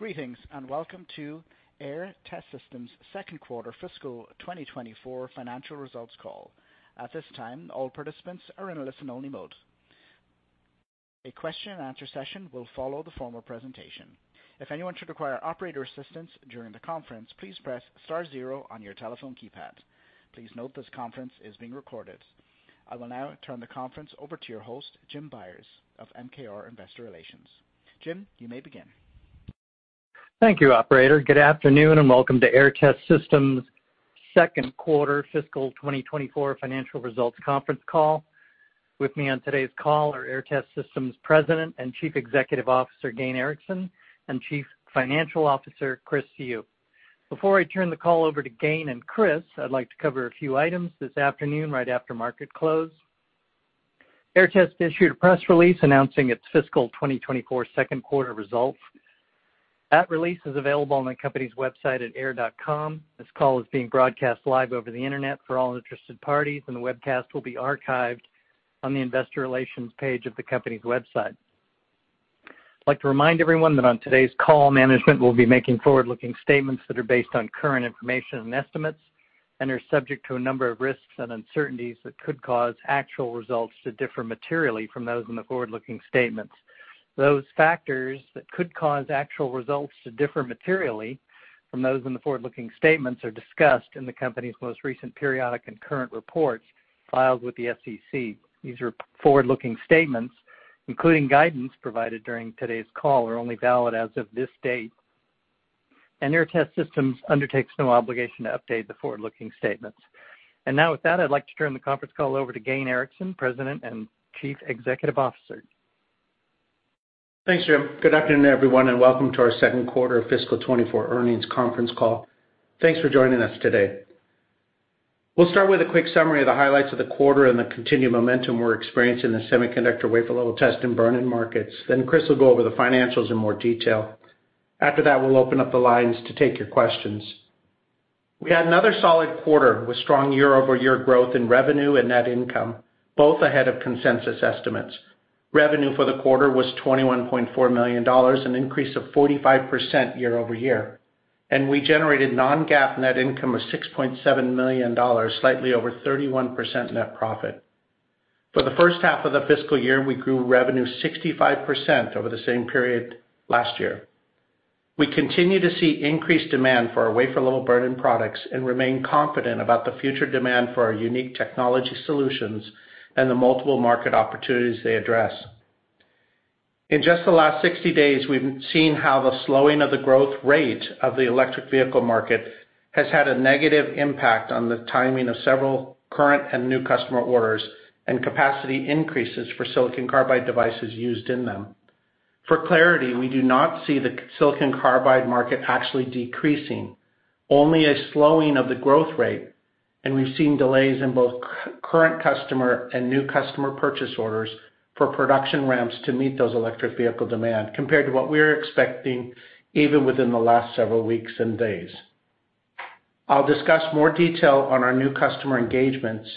Greetings, and welcome to Aehr Test Systems' second quarter fiscal 2024 financial results call. At this time, all participants are in a listen-only mode. A question-and-answer session will follow the formal presentation. If anyone should require operator assistance during the conference, please press star zero on your telephone keypad. Please note this conference is being recorded. I will now turn the conference over to your host, Jim Byers of MKR Investor Relations. Jim, you may begin. Thank you, operator. Good afternoon, and welcome to Aehr Test Systems' second quarter fiscal 2024 financial results conference call. With me on today's call are Aehr Test Systems' President and Chief Executive Officer, Gayn Erickson, and Chief Financial Officer, Chris Siu. Before I turn the call over to Gayn and Chris, I'd like to cover a few items this afternoon, right after market close. Aehr Test issued a press release announcing its fiscal 2024 second quarter results. That release is available on the company's website at aehr.com. This call is being broadcast live over the internet for all interested parties, and the webcast will be archived on the investor relations page of the company's website. I'd like to remind everyone that on today's call, management will be making forward-looking statements that are based on current information and estimates, and are subject to a number of risks and uncertainties that could cause actual results to differ materially from those in the forward-looking statements. Those factors that could cause actual results to differ materially from those in the forward-looking statements are discussed in the company's most recent periodic and current reports filed with the SEC. These are forward-looking statements, including guidance provided during today's call, are only valid as of this date, and Aehr Test Systems undertakes no obligation to update the forward-looking statements. And now, with that, I'd like to turn the conference call over to Gayn Erickson, President and Chief Executive Officer. Thanks, Jim. Good afternoon, everyone, and welcome to our second quarter fiscal 2024 earnings conference call. Thanks for joining us today. We'll start with a quick summary of the highlights of the quarter and the continued momentum we're experiencing in the semiconductor wafer-level test and burn-in markets. Then Chris will go over the financials in more detail. After that, we'll open up the lines to take your questions. We had another solid quarter with strong year-over-year growth in revenue and net income, both ahead of consensus estimates. Revenue for the quarter was $21.4 million, an increase of 45% year over year, and we generated non-GAAP net income of $6.7 million, slightly over 31% net profit. For the first half of the fiscal year, we grew revenue 65% over the same period last year. We continue to see increased demand for our wafer-level burn-in products and remain confident about the future demand for our unique technology solutions and the multiple market opportunities they address. In just the last 60 days, we've seen how the slowing of the growth rate of the electric vehicle market has had a negative impact on the timing of several current and new customer orders, and capacity increases for silicon carbide devices used in them. For clarity, we do not see the silicon carbide market actually decreasing, only a slowing of the growth rate, and we've seen delays in both current customer and new customer purchase orders for production ramps to meet those electric vehicle demand, compared to what we were expecting even within the last several weeks and days. I'll discuss more detail on our new customer engagements,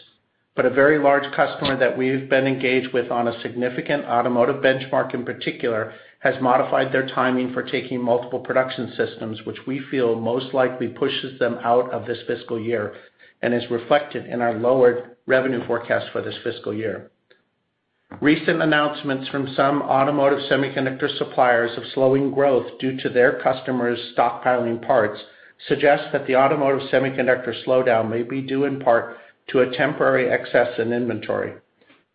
but a very large customer that we've been engaged with on a significant automotive benchmark in particular, has modified their timing for taking multiple production systems, which we feel most likely pushes them out of this fiscal year and is reflected in our lowered revenue forecast for this fiscal year. Recent announcements from some automotive semiconductor suppliers of slowing growth due to their customers stockpiling parts suggest that the automotive semiconductor slowdown may be due in part to a temporary excess in inventory.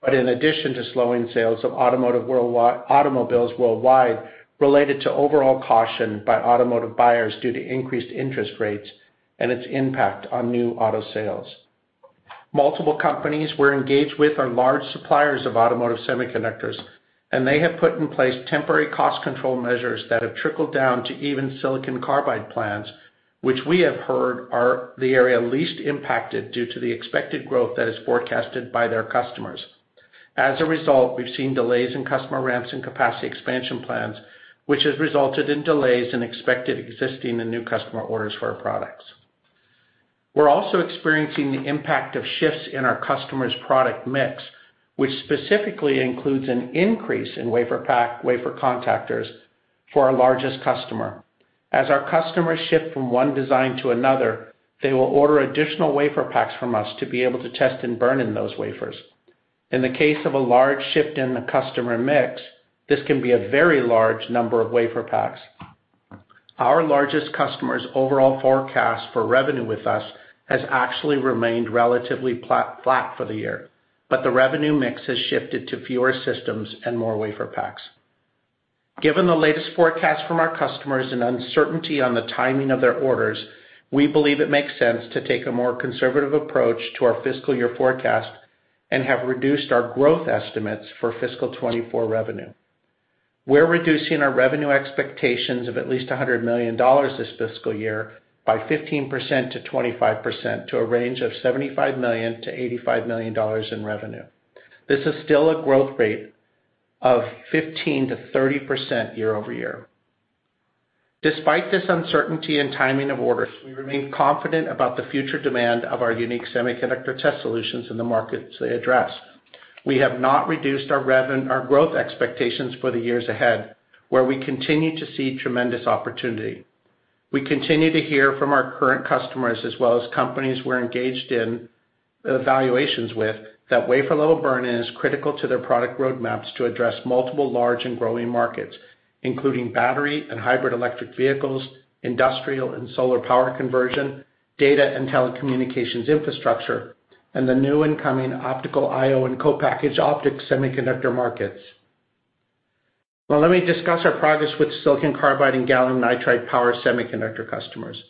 But in addition to slowing sales of automotive worldwide - automobiles worldwide, related to overall caution by automotive buyers due to increased interest rates and its impact on new auto sales. Multiple companies we're engaged with are large suppliers of automotive semiconductors, and they have put in place temporary cost control measures that have trickled down to even silicon carbide plants, which we have heard are the area least impacted due to the expected growth that is forecasted by their customers. As a result, we've seen delays in customer ramps and capacity expansion plans, which has resulted in delays in expected, existing, and new customer orders for our products. We're also experiencing the impact of shifts in our customers' product mix, which specifically includes an increase in WaferPak wafer contactors for our largest customer. As our customers shift from one design to another, they will order additional WaferPaks from us to be able to test and burn-in those wafers. In the case of a large shift in the customer mix, this can be a very large number of WaferPaks. Our largest customer's overall forecast for revenue with us has actually remained relatively flat for the year, but the revenue mix has shifted to fewer systems and more WaferPaks. Given the latest forecast from our customers and uncertainty on the timing of their orders, we believe it makes sense to take a more conservative approach to our fiscal year forecast and have reduced our growth estimates for fiscal 2024 revenue. We're reducing our revenue expectations of at least $100 million this fiscal year by 15%-25%, to a range of $75 million-$85 million in revenue. This is still a growth rate of 15%-30% year-over-year. Despite this uncertainty in timing of orders, we remain confident about the future demand of our unique semiconductor test solutions in the markets they address. We have not reduced our revenue, our growth expectations for the years ahead, where we continue to see tremendous opportunity. We continue to hear from our current customers, as well as companies we're engaged in evaluations with, that wafer-level burn-in is critical to their product roadmaps to address multiple large and growing markets, including battery and hybrid electric vehicles, industrial and solar power conversion, data and telecommunications infrastructure, and the new and coming optical I/O and co-packaged optics semiconductor markets. Well, let me discuss our progress with silicon carbide and gallium nitride power semiconductor customers.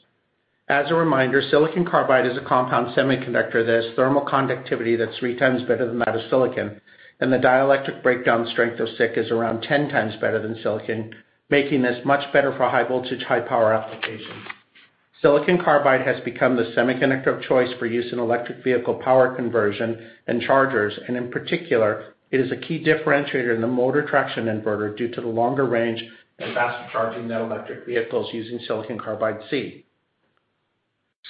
As a reminder, silicon carbide is a compound semiconductor that has thermal conductivity that's three times better than that of silicon, and the dielectric breakdown strength of SiC is around 10 times better than silicon, making this much better for high voltage, high power applications. Silicon carbide has become the semiconductor of choice for use in electric vehicle power conversion and chargers, and in particular, it is a key differentiator in the motor traction inverter due to the longer range and faster charging than electric vehicles using silicon carbide SiC.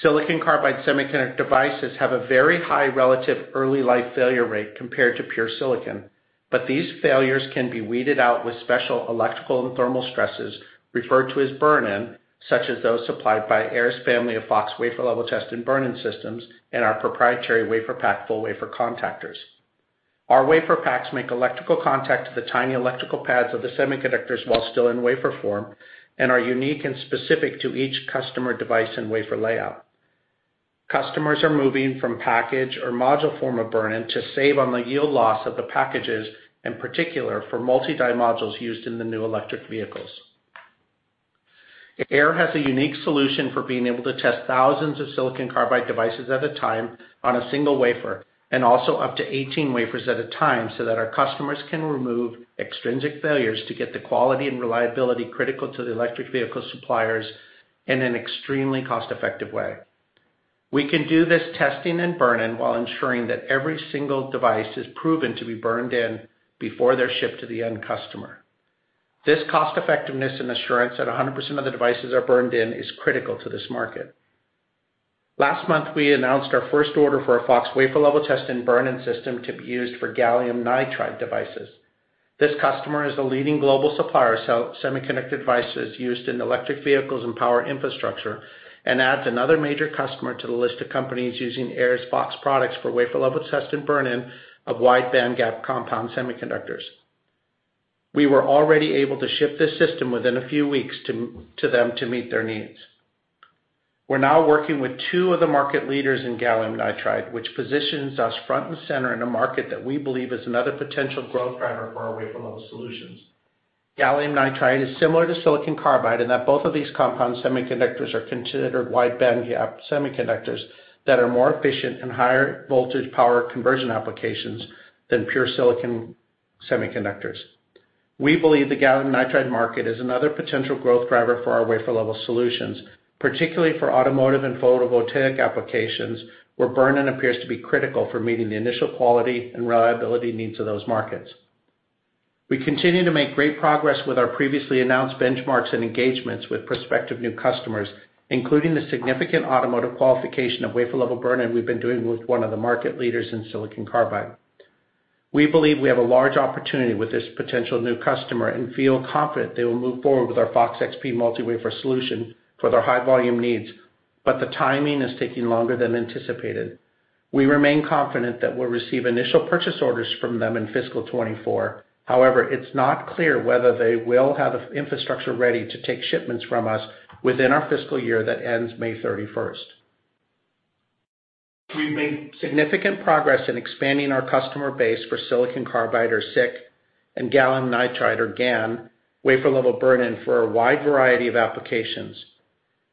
Silicon carbide semiconductor devices have a very high relative early life failure rate compared to pure silicon, but these failures can be weeded out with special electrical and thermal stresses, referred to as burn-in, such as those supplied by Aehr's family of FOX wafer-level test and burn-in systems, and our proprietary WaferPak full-wafer contactors. Our WaferPaks make electrical contact to the tiny electrical pads of the semiconductors while still in wafer form and are unique and specific to each customer device and wafer layout. Customers are moving from package or module form of burn-in to save on the yield loss of the packages, in particular for multi-die modules used in the new electric vehicles. Aehr has a unique solution for being able to test thousands of silicon carbide devices at a time on a single wafer, and also up to 18 wafers at a time, so that our customers can remove extrinsic failures to get the quality and reliability critical to the electric vehicle suppliers in an extremely cost-effective way. We can do this testing and burn-in while ensuring that every single device is proven to be burned in before they're shipped to the end customer. This cost effectiveness and assurance that 100% of the devices are burned in is critical to this market. Last month, we announced our first order for a FOX wafer level test and burn-in system to be used for gallium nitride devices. This customer is a leading global supplier of semiconductor devices used in electric vehicles and power infrastructure, and adds another major customer to the list of companies using Aehr's FOX products for wafer level test and burn-in of wide bandgap compound semiconductors. We were already able to ship this system within a few weeks to them to meet their needs. We're now working with two of the market leaders in gallium nitride, which positions us front and center in a market that we believe is another potential growth driver for our wafer level solutions. Gallium nitride is similar to silicon carbide, in that both of these compound semiconductors are considered wide bandgap semiconductors that are more efficient in higher voltage power conversion applications than pure silicon semiconductors. We believe the gallium nitride market is another potential growth driver for our wafer level solutions, particularly for automotive and photovoltaic applications, where burn-in appears to be critical for meeting the initial quality and reliability needs of those markets. We continue to make great progress with our previously announced benchmarks and engagements with prospective new customers, including the significant automotive qualification of wafer level burn-in we've been doing with one of the market leaders in silicon carbide. We believe we have a large opportunity with this potential new customer and feel confident they will move forward with our FOX-XP multi-wafer solution for their high-volume needs, but the timing is taking longer than anticipated. We remain confident that we'll receive initial purchase orders from them in fiscal 2024. However, it's not clear whether they will have the infrastructure ready to take shipments from us within our fiscal year that ends May 31. We've made significant progress in expanding our customer base for silicon carbide, or SiC, and gallium nitride, or GaN, wafer level burn-in for a wide variety of applications.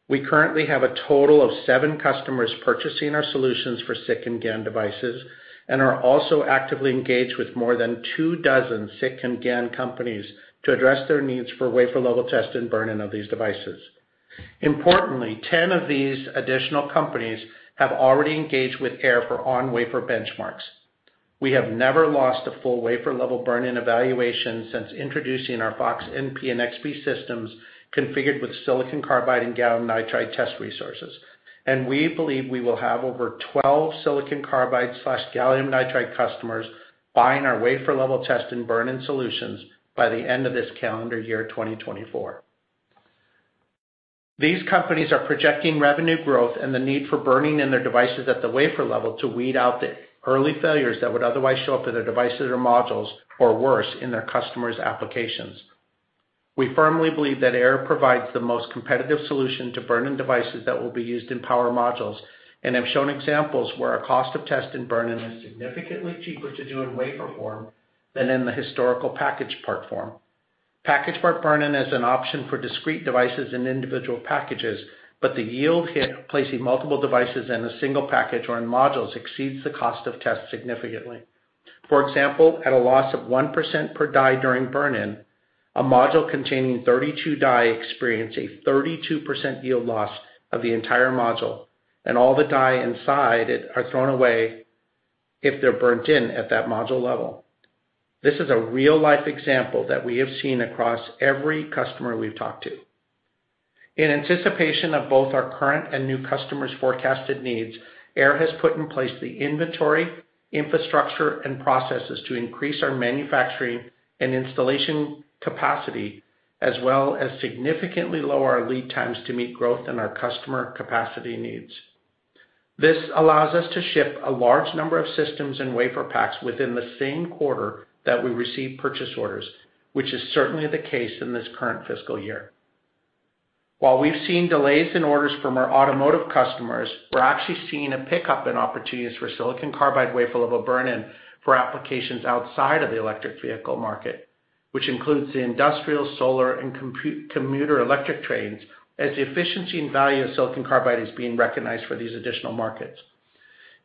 We currently have a total of seven customers purchasing our solutions for SiC and GaN devices, and are also actively engaged with more than 24 SiC and GaN companies to address their needs for wafer-level test and burn-in of these devices. Importantly, 10 of these additional companies have already engaged with Aehr for on-wafer benchmarks. We have never lost a full wafer level burn-in evaluation since introducing our FOX-NP and FOX-XP systems configured with silicon carbide and gallium nitride test resources, and we believe we will have over 12 silicon carbide/gallium nitride customers buying our wafer level test and burn-in solutions by the end of this calendar year, 2024. These companies are projecting revenue growth and the need for burning in their devices at the wafer level to weed out the early failures that would otherwise show up in their devices or modules, or worse, in their customers' applications. We firmly believe that Aehr provides the most competitive solution to burn-in devices that will be used in power modules, and have shown examples where our cost of test and burn-in is significantly cheaper to do in wafer form than in the historical package part form. Package part burn-in is an option for discrete devices in individual packages, but the yield hit placing multiple devices in a single package or in modules exceeds the cost of test significantly. For example, at a loss of 1% per die during burn-in, a module containing 32 die experience a 32% yield loss of the entire module, and all the die inside it are thrown away if they're burnt in at that module level. This is a real-life example that we have seen across every customer we've talked to... In anticipation of both our current and new customers' forecasted needs, Aehr has put in place the inventory, infrastructure, and processes to increase our manufacturing and installation capacity, as well as significantly lower our lead times to meet growth in our customer capacity needs. This allows us to ship a large number of systems and WaferPaks within the same quarter that we receive purchase orders, which is certainly the case in this current fiscal year. While we've seen delays in orders from our automotive customers, we're actually seeing a pickup in opportunities for silicon carbide wafer level burn-in for applications outside of the electric vehicle market, which includes the industrial, solar, and commuter electric trains, as the efficiency and value of silicon carbide is being recognized for these additional markets.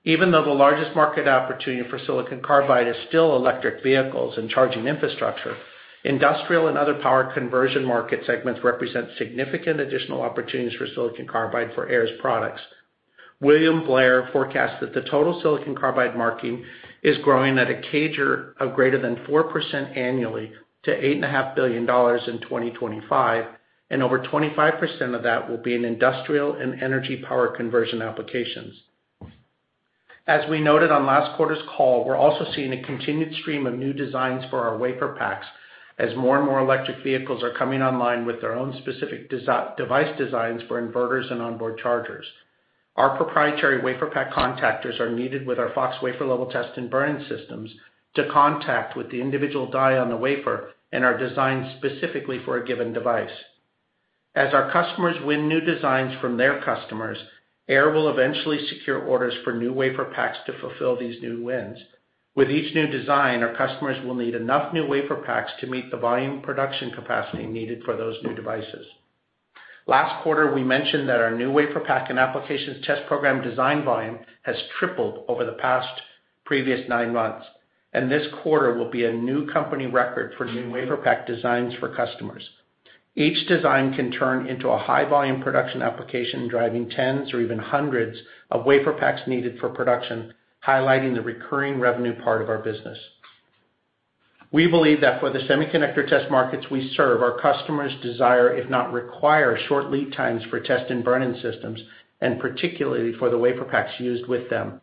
Even though the largest market opportunity for silicon carbide is still electric vehicles and charging infrastructure, industrial and other power conversion market segments represent significant additional opportunities for silicon carbide for Aehr's products. William Blair forecasts that the total silicon carbide market is growing at a CAGR of greater than 4% annually to $8.5 billion in 2025, and over 25% of that will be in industrial and energy power conversion applications. As we noted on last quarter's call, we're also seeing a continued stream of new designs for our WaferPaks as more and more electric vehicles are coming online with their own specific device designs for inverters and onboard chargers. Our proprietary WaferPak contactors are needed with our FOX wafer level test and burn-in systems to contact with the individual die on the wafer, and are designed specifically for a given device. As our customers win new designs from their customers, Aehr will eventually secure orders for new WaferPaks to fulfill these new wins. With each new design, our customers will need enough new WaferPaks to meet the volume production capacity needed for those new devices. Last quarter, we mentioned that our new WaferPak and applications test program design volume has tripled over the past previous nine months, and this quarter will be a new company record for new WaferPak designs for customers. Each design can turn into a high-volume production application, driving tens or even hundreds of WaferPaks needed for production, highlighting the recurring revenue part of our business. We believe that for the semiconductor test markets we serve, our customers desire, if not require, short lead times for test and burn-in systems, and particularly for the WaferPaks used with them.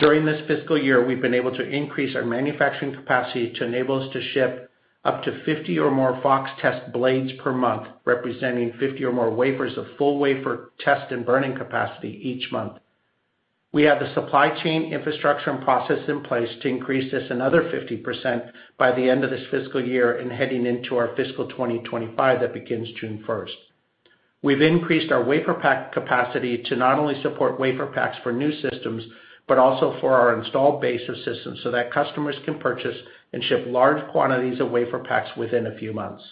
During this fiscal year, we've been able to increase our manufacturing capacity to enable us to ship up to 50 or more FOX test blades per month, representing 50 or more wafers of full wafer test and burning capacity each month. We have the supply chain infrastructure and process in place to increase this another 50% by the end of this fiscal year and heading into our fiscal 2025, that begins June 1st. We've increased our WaferPak capacity to not only support WaferPaks for new systems, but also for our installed base of systems, so that customers can purchase and ship large quantities of WaferPaks within a few months.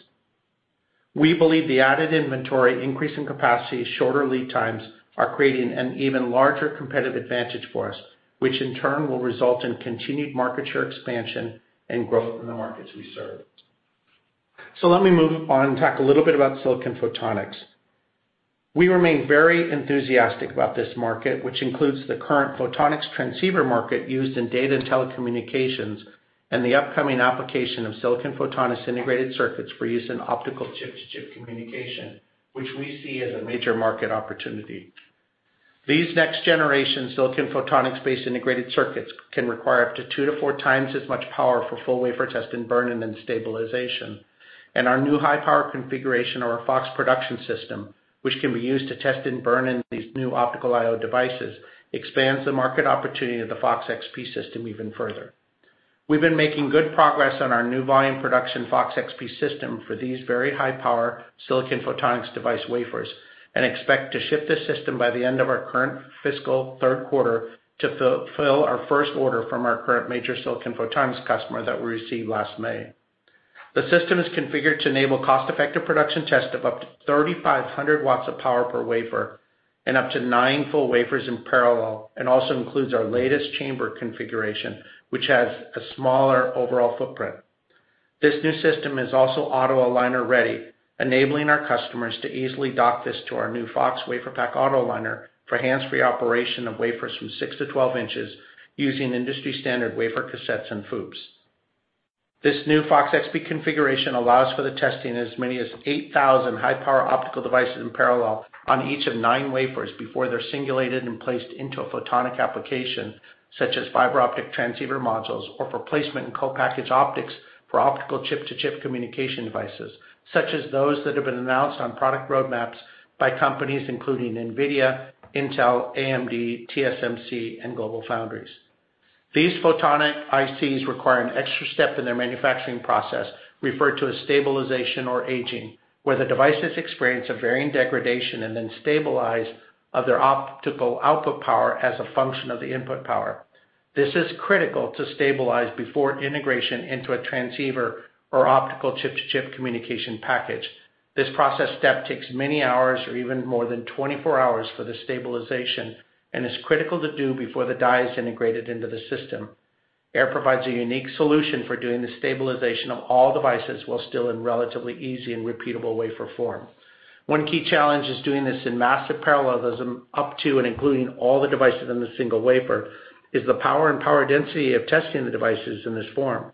We believe the added inventory, increase in capacity, shorter lead times, are creating an even larger competitive advantage for us, which in turn will result in continued market share expansion and growth in the markets we serve. So let me move on and talk a little bit about silicon photonics. We remain very enthusiastic about this market, which includes the current photonics transceiver market used in data and telecommunications, and the upcoming application of silicon photonics integrated circuits for use in optical chip-to-chip communication, which we see as a major market opportunity. These next-generation silicon photonics-based integrated circuits can require up to two-four times as much power for full wafer test and burn-in and stabilization. Our new high-power configuration, or our FOX production system, which can be used to test and burn-in these new optical I/O devices, expands the market opportunity of the FOX-XP system even further. We've been making good progress on our new volume production FOX-XP system for these very high-power silicon photonics device wafers, and expect to ship this system by the end of our current fiscal third quarter to fulfill our first order from our current major silicon photonics customer that we received last May. The system is configured to enable cost-effective production test of up to 3,500 W of power per wafer and up to nine full wafers in parallel, and also includes our latest chamber configuration, which has a smaller overall footprint. This new system is also auto aligner ready, enabling our customers to easily dock this to our new FOX WaferPak auto aligner for hands-free operation of wafers from six to 12 in using industry-standard wafer cassettes and FOUPs. This new FOX-XP configuration allows for the testing of as many as 8,000 high-power optical devices in parallel on each of nine wafers before they're singulated and placed into a photonic application, such as fiber optic transceiver modules, or for placement in co-packaged optics for optical chip-to-chip communication devices, such as those that have been announced on product roadmaps by companies including NVIDIA, Intel, AMD, TSMC, and GlobalFoundries. These photonic ICs require an extra step in their manufacturing process, referred to as stabilization or aging, where the devices experience a varying degradation and then stabilization of their optical output power as a function of the input power. This is critical to stabilize before integration into a transceiver or optical chip-to-chip communication package. This process step takes many hours or even more than 24 hours for the stabilization, and is critical to do before the die is integrated into the system. Aehr provides a unique solution for doing the stabilization of all devices while still in relatively easy and repeatable wafer form. One key challenge is doing this in massive parallelism up to and including all the devices in the single wafer, is the power and power density of testing the devices in this form.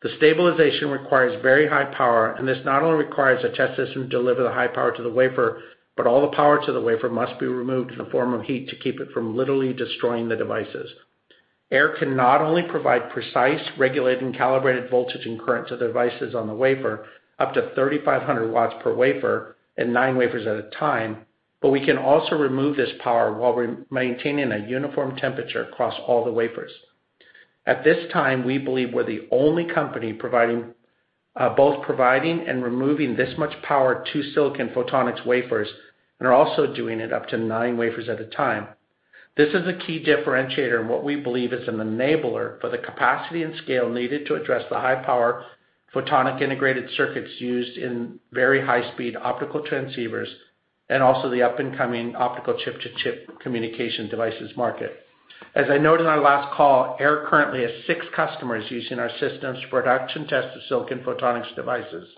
The stabilization requires very high power, and this not only requires a test system to deliver the high power to the wafer, but all the power to the wafer must be removed in the form of heat to keep it from literally destroying the devices. Aehr can not only provide precise, regulated, and calibrated voltage and current to the devices on the wafer, up to 3,500 W per wafer and nine wafers at a time, but we can also remove this power while we're maintaining a uniform temperature across all the wafers. At this time, we believe we're the only company providing, both providing and removing this much power to silicon photonics wafers, and are also doing it up to nine wafers at a time. This is a key differentiator in what we believe is an enabler for the capacity and scale needed to address the high-power photonic integrated circuits used in very high-speed optical transceivers, and also the up-and-coming optical chip-to-chip communication devices market. As I noted on our last call, Aehr currently has six customers using our systems for production test of silicon photonics devices.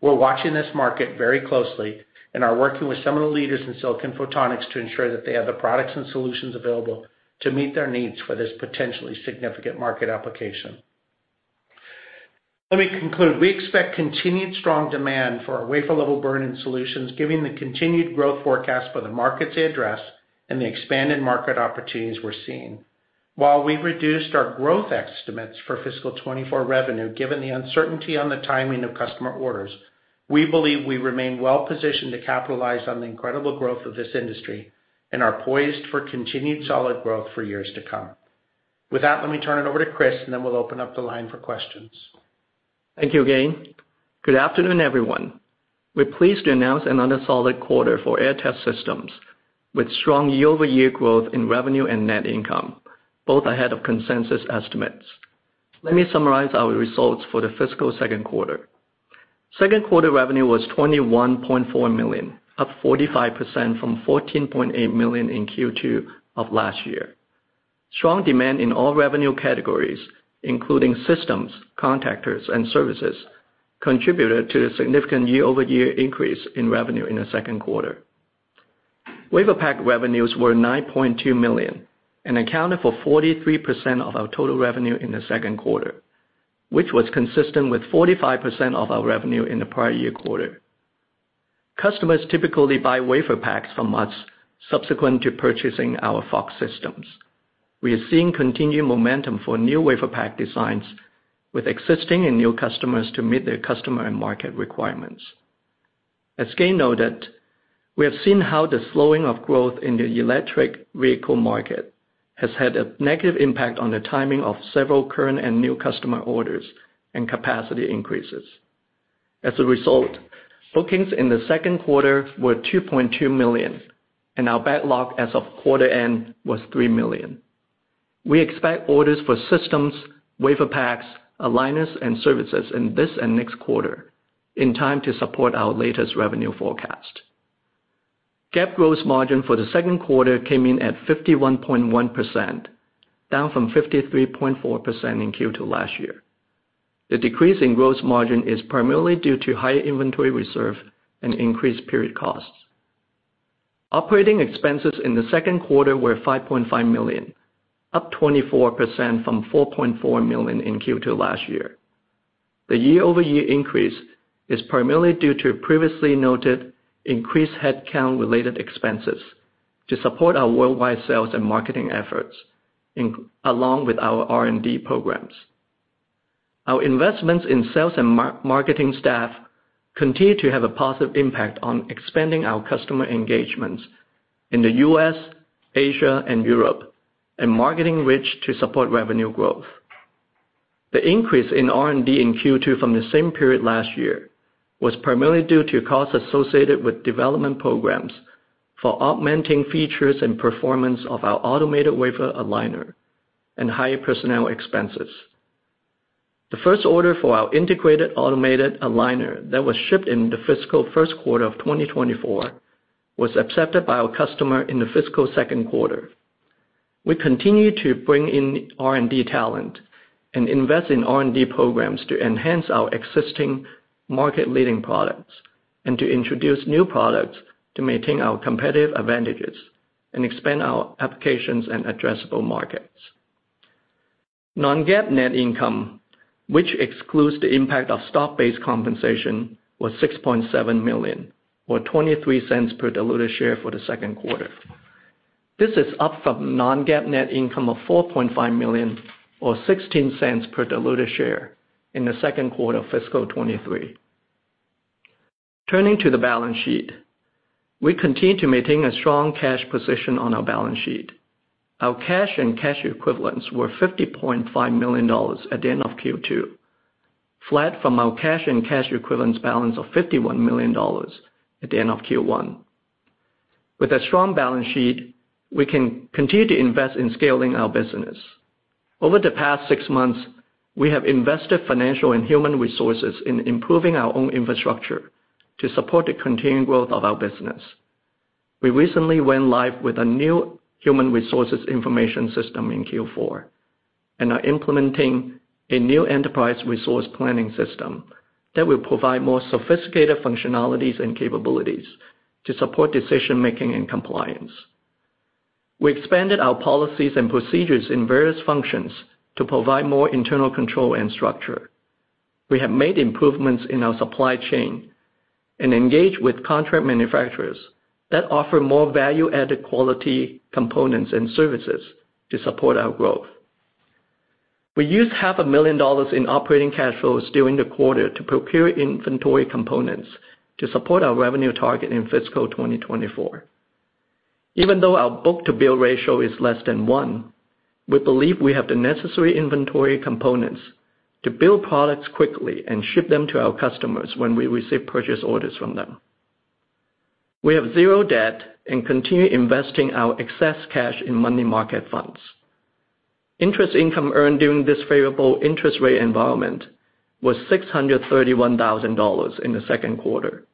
We're watching this market very closely and are working with some of the leaders in silicon photonics to ensure that they have the products and solutions available to meet their needs for this potentially significant market application. Let me conclude. We expect continued strong demand for our wafer-level burn-in solutions, given the continued growth forecast for the markets they address and the expanded market opportunities we're seeing. While we've reduced our growth estimates for fiscal 2024 revenue, given the uncertainty on the timing of customer orders, we believe we remain well-positioned to capitalize on the incredible growth of this industry and are poised for continued solid growth for years to come. With that, let me turn it over to Chris, and then we'll open up the line for questions. Thank you, Gayn. Good afternoon, everyone. We're pleased to announce another solid quarter for Aehr Test Systems, with strong year-over-year growth in revenue and net income, both ahead of consensus estimates. Let me summarize our results for the fiscal second quarter. Second quarter revenue was $21.4 million, up 45% from $14.8 million in Q2 of last year. Strong demand in all revenue categories, including systems, contactors, and services, contributed to the significant year-over-year increase in revenue in the second quarter. Wafer pack revenues were $9.2 million and accounted for 43% of our total revenue in the second quarter, which was consistent with 45% of our revenue in the prior year quarter. Customers typically buy WaferPaks from us subsequent to purchasing our FOX systems. We are seeing continued momentum for new WaferPak designs with existing and new customers to meet their customer and market requirements. As Gayn noted, we have seen how the slowing of growth in the electric vehicle market has had a negative impact on the timing of several current and new customer orders and capacity increases. As a result, bookings in the second quarter were $2.2 million, and our backlog as of quarter end was $3 million. We expect orders for systems, WaferPaks, aligners, and services in this and next quarter, in time to support our latest revenue forecast. GAAP gross margin for the second quarter came in at 51.1%, down from 53.4% in Q2 last year. The decrease in gross margin is primarily due to higher inventory reserve and increased period costs. Operating expenses in the second quarter were $5.5 million, up 24% from $4.4 million in Q2 last year. The year-over-year increase is primarily due to previously noted increased headcount-related expenses to support our worldwide sales and marketing efforts, along with our R&D programs. Our investments in sales and marketing staff continue to have a positive impact on expanding our customer engagements in the US, Asia, and Europe, and marketing reach to support revenue growth. The increase in R&D in Q2 from the same period last year was primarily due to costs associated with development programs for augmenting features and performance of our automated wafer aligner and higher personnel expenses. The first order for our integrated automated aligner that was shipped in the fiscal first quarter of 2024, was accepted by our customer in the fiscal second quarter. We continue to bring in R&D talent and invest in R&D programs to enhance our existing market-leading products, and to introduce new products to maintain our competitive advantages and expand our applications and addressable markets. Non-GAAP net income, which excludes the impact of stock-based compensation, was $6.7 million, or $0.23 per diluted share for the second quarter. This is up from non-GAAP net income of $4.5 million, or $0.16 per diluted share in the second quarter of fiscal 2023. Turning to the balance sheet. We continue to maintain a strong cash position on our balance sheet. Our cash and cash equivalents were $50.5 million at the end of Q2, flat from our cash and cash equivalents balance of $51 million at the end of Q1. With a strong balance sheet, we can continue to invest in scaling our business. Over the past six months, we have invested financial and human resources in improving our own infrastructure to support the continued growth of our business. We recently went live with a new human resources information system in Q4, and are implementing a new enterprise resource planning system that will provide more sophisticated functionalities and capabilities to support decision-making and compliance. We expanded our policies and procedures in various functions to provide more internal control and structure. We have made improvements in our supply chain and engaged with contract manufacturers that offer more value-added quality components and services to support our growth. We used $500,000 in operating cash flows during the quarter to procure inventory components to support our revenue target in fiscal 2024. Even though our book-to-bill ratio is less than one, we believe we have the necessary inventory components to build products quickly and ship them to our customers when we receive purchase orders from them. We have zero debt and continue investing our excess cash in money market funds. Interest income earned during this favorable interest rate environment was $631,000 in the second quarter,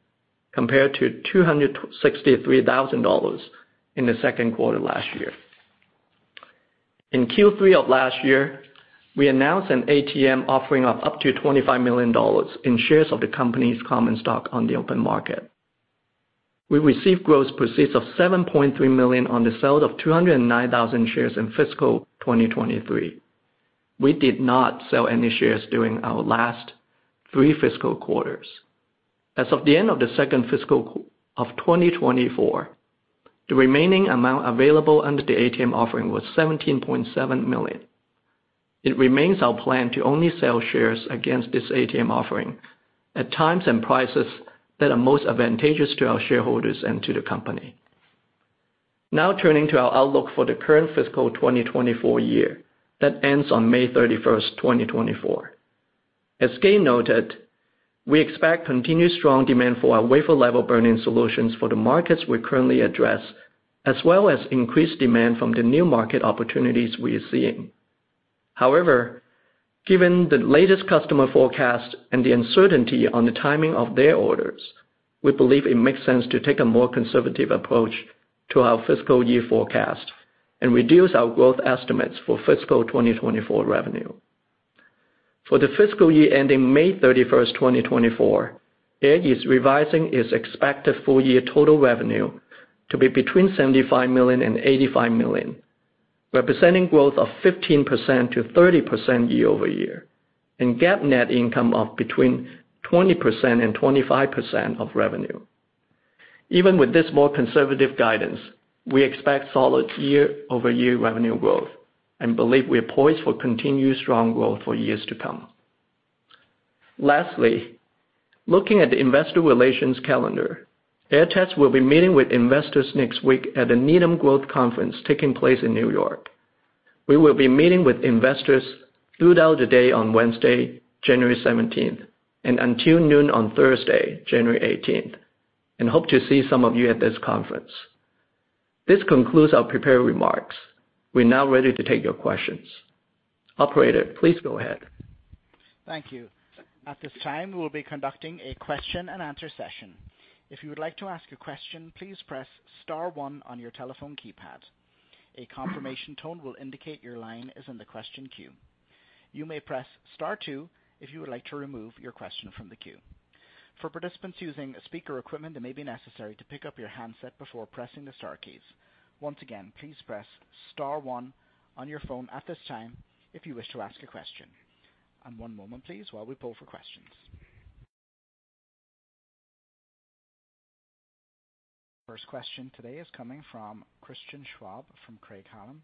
compared to $263,000 in the second quarter last year. In Q3 of last year, we announced an ATM offering of up to $25 million in shares of the company's common stock on the open market. We received gross proceeds of $7.3 million on the sale of 209,000 shares in fiscal 2023. We did not sell any shares during our last three fiscal quarters. As of the end of the second fiscal quarter of 2024, the remaining amount available under the ATM offering was $17.7 million. It remains our plan to only sell shares against this ATM offering at times and prices that are most advantageous to our shareholders and to the company. Now turning to our outlook for the current fiscal 2024 year, that ends on May 31, 2024. As Gayn noted, we expect continued strong demand for our wafer-level burn-in solutions for the markets we currently address, as well as increased demand from the new market opportunities we are seeing. However, given the latest customer forecast and the uncertainty on the timing of their orders, we believe it makes sense to take a more conservative approach to our fiscal year forecast and reduce our growth estimates for fiscal 2024 revenue. For the fiscal year ending May 31, 2024, Aehr is revising its expected full year total revenue to be between $75 million and $85 million, representing growth of 15%-30% year-over-year, and GAAP net income of between 20%-25% of revenue. Even with this more conservative guidance, we expect solid year-over-year revenue growth and believe we are poised for continued strong growth for years to come. Lastly, looking at the investor relations calendar, Aehr will be meeting with investors next week at the Needham Growth Conference taking place in New York. We will be meeting with investors throughout the day on Wednesday, January 17, and until noon on Thursday, January 18, and hope to see some of you at this conference. This concludes our prepared remarks. We're now ready to take your questions. Operator, please go ahead. Thank you. At this time, we will be conducting a question-and-answer session. If you would like to ask a question, please press star one on your telephone keypad. A confirmation tone will indicate your line is in the question queue. You may press star two if you would like to remove your question from the queue. For participants using speaker equipment, it may be necessary to pick up your handset before pressing the star keys. Once again, please press star one on your phone at this time if you wish to ask a question. One moment, please, while we pull for questions. First question today is coming from Christian Schwab, from Craig-Hallum.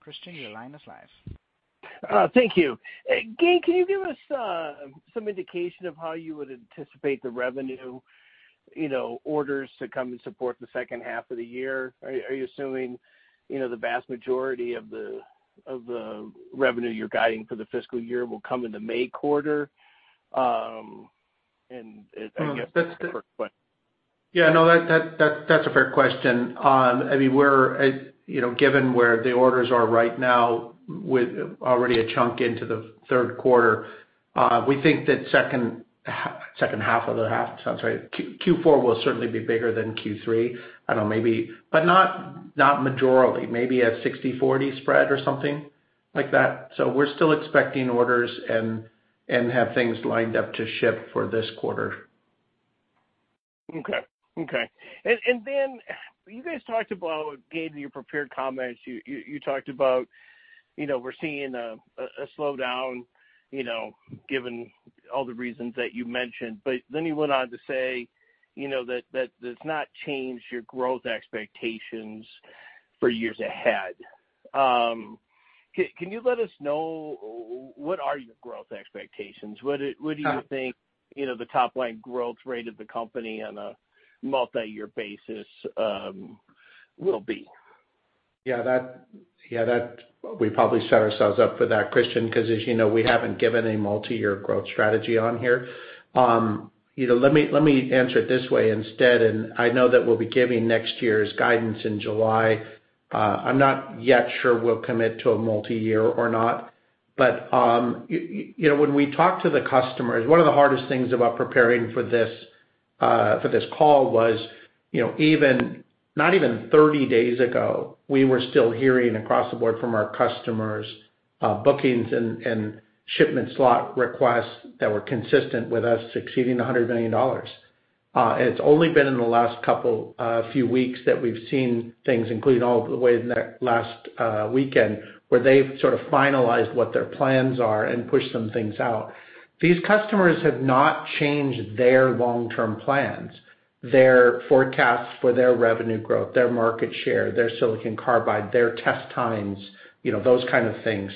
Christian, your line is live. Thank you. Hey, Gayn, can you give us some indication of how you would anticipate the revenue, you know, orders to come and support the second half of the year? Are you assuming, you know, the vast majority of the revenue you're guiding for the fiscal year will come in the May quarter? And I guess that's a fair question. Yeah, no, that that's a fair question. I mean, we're, you know, given where the orders are right now, with already a chunk into the third quarter, we think that second half, second half of the half, sounds right. Q4 will certainly be bigger than Q3. I know maybe... But not majorly. Maybe a 60/40 spread or something like that. So we're still expecting orders and have things lined up to ship for this quarter. Okay. And then you guys talked about, Gay, in your prepared comments, you talked about, you know, we're seeing a slowdown, you know, given all the reasons that you mentioned, but then you went on to say, you know, that does not change your growth expectations for years ahead. Can you let us know what are your growth expectations? What do you think, you know, the top line growth rate of the company on a multi-year basis will be? Yeah, that we probably set ourselves up for that question, because, as you know, we haven't given a multi-year growth strategy on here. You know, let me answer it this way instead, and I know that we'll be giving next year's guidance in July. I'm not yet sure we'll commit to a multi-year or not, but you know, when we talk to the customers, one of the hardest things about preparing for this call was, you know, not even 30 days ago, we were still hearing across the board from our customers, bookings and shipment slot requests that were consistent with us succeeding $100 million. and it's only been in the last couple, few weeks that we've seen things, including all the way in the last weekend, where they've sort of finalized what their plans are and pushed some things out. These customers have not changed their long-term plans, their forecasts for their revenue growth, their market share, their silicon carbide, their test times, you know, those kind of things,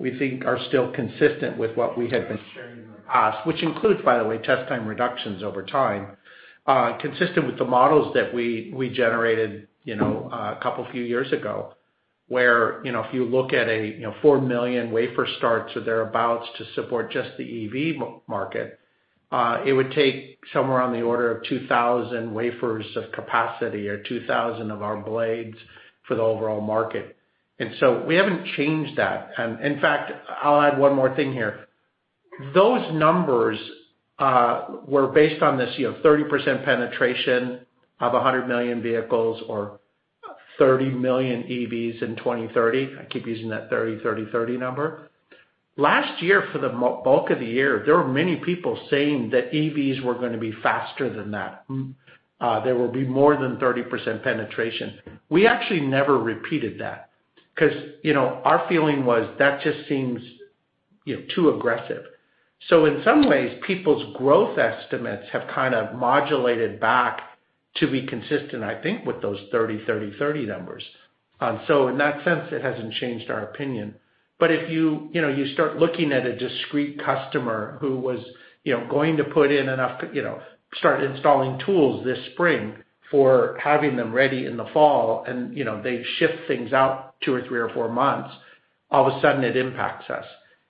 we think are still consistent with what we had been sharing in the past, which includes, by the way, test time reductions over time. Consistent with the models that we generated, you know, a couple, few years ago, where, you know, if you look at a, you know, 4 million wafer starts or thereabouts to support just the EV market, it would take somewhere on the order of 2,000 wafers of capacity or 2,000 of our blades for the overall market. And so we haven't changed that. And in fact, I'll add one more thing here. Those numbers were based on this, you know, 30% penetration of 100 million vehicles or 30 million EVs in 2030. I keep using that 30, 30, 30 number. Last year, for the bulk of the year, there were many people saying that EVs were gonna be faster than that, there will be more than 30% penetration. We actually never repeated that because, you know, our feeling was that just seems, you know, too aggressive. So in some ways, people's growth estimates have kind of modulated back to be consistent, I think, with those 30, 30, 30 numbers. So in that sense, it hasn't changed our opinion. But if you, you know, you start looking at a discrete customer who was, you know, going to put in enough, you know, start installing tools this spring for having them ready in the fall, and, you know, they shift things out two or three or four months, all of a sudden it impacts us.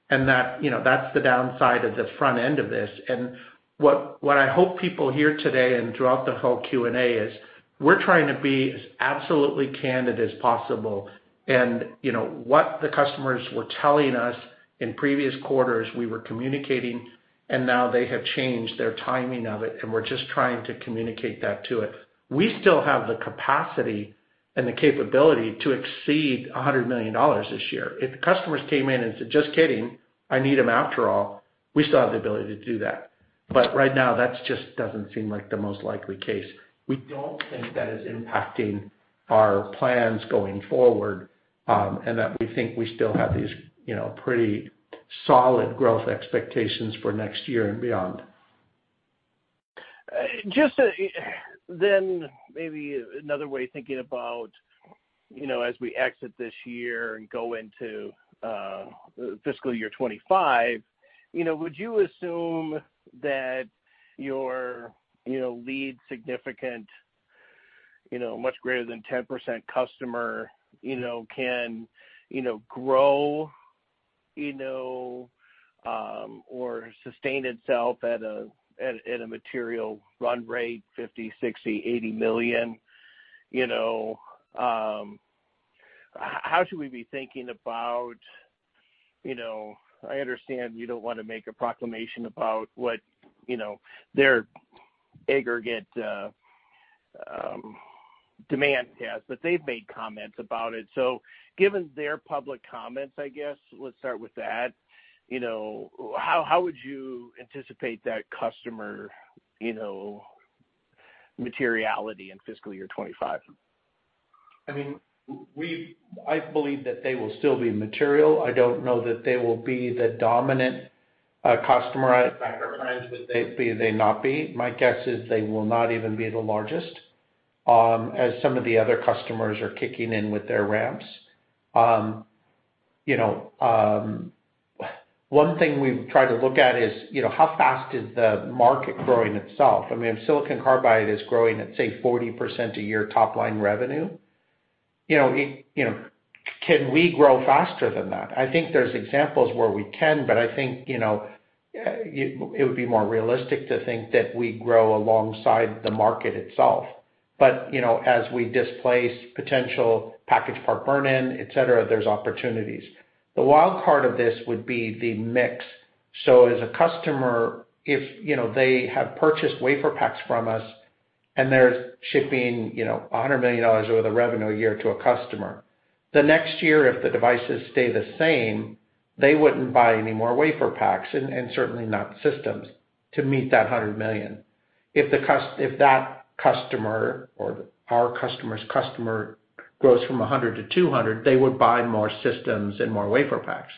And that, you know, that's the downside of the front end of this. And what, what I hope people hear today and throughout the whole Q&A is, we're trying to be as absolutely candid as possible. You know, what the customers were telling us in previous quarters, we were communicating, and now they have changed their timing of it, and we're just trying to communicate that to it. We still have the capacity and the capability to exceed $100 million this year. If the customers came in and said, "Just kidding, I need them after all," we still have the ability to do that. But right now, that just doesn't seem like the most likely case. We don't think that is impacting our plans going forward, and that we think we still have these, you know, pretty solid growth expectations for next year and beyond. Just then maybe another way of thinking about, you know, as we exit this year and go into fiscal year 2025, you know, would you assume that your, you know, lead significant, you know, much greater than 10% customer, you know, can, you know, grow, you know, or sustain itself at a material run rate, $50 million, $60 million, $80 million, you know? How should we be thinking about... You know, I understand you don't want to make a proclamation about what, you know, their aggregate demand has, but they've made comments about it. So given their public comments, I guess, let's start with that. You know, how would you anticipate that customer, you know, materiality in fiscal year 2025? I mean, we-- I believe that they will still be material. I don't know that they will be the dominant customer. I don't know that they be, they not be. My guess is they will not even be the largest, as some of the other customers are kicking in with their ramps. You know, one thing we've tried to look at is, you know, how fast is the market growing itself? I mean, if silicon carbide is growing at, say, 40% a year top line revenue, you know, it, you know, can we grow faster than that? I think there's examples where we can, but I think, you know, it would be more realistic to think that we grow alongside the market itself. But, you know, as we displace potential packaged part burn-in, et cetera, there's opportunities. The wild card of this would be the mix. So as a customer, if, you know, they have purchased WaferPaks from us, and they're shipping, you know, $100 million worth of revenue a year to a customer, the next year, if the devices stay the same, they wouldn't buy any more WaferPaks and certainly not systems to meet that $100 million. If that customer or our customer's customer grows from 100 to 200, they would buy more systems and more WaferPaks.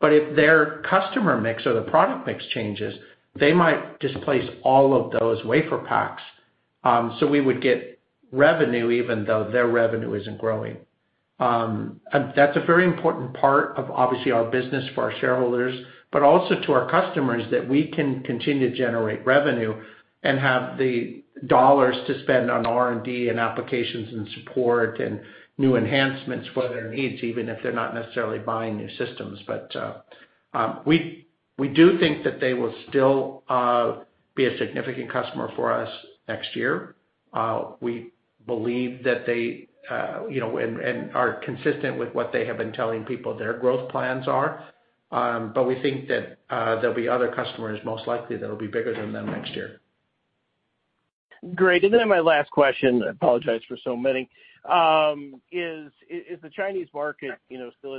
But if their customer mix or the product mix changes, they might displace all of those WaferPaks, so we would get revenue even though their revenue isn't growing. And that's a very important part of, obviously, our business for our shareholders, but also to our customers, that we can continue to generate revenue and have the dollars to spend on R&D, and applications, and support, and new enhancements for their needs, even if they're not necessarily buying new systems. But, we do think that they will still be a significant customer for us next year. We believe that they, you know, and are consistent with what they have been telling people their growth plans are, but we think that there'll be other customers, most likely, that'll be bigger than them next year. ... Great. And then my last question, I apologize for so many, is the Chinese market, you know, still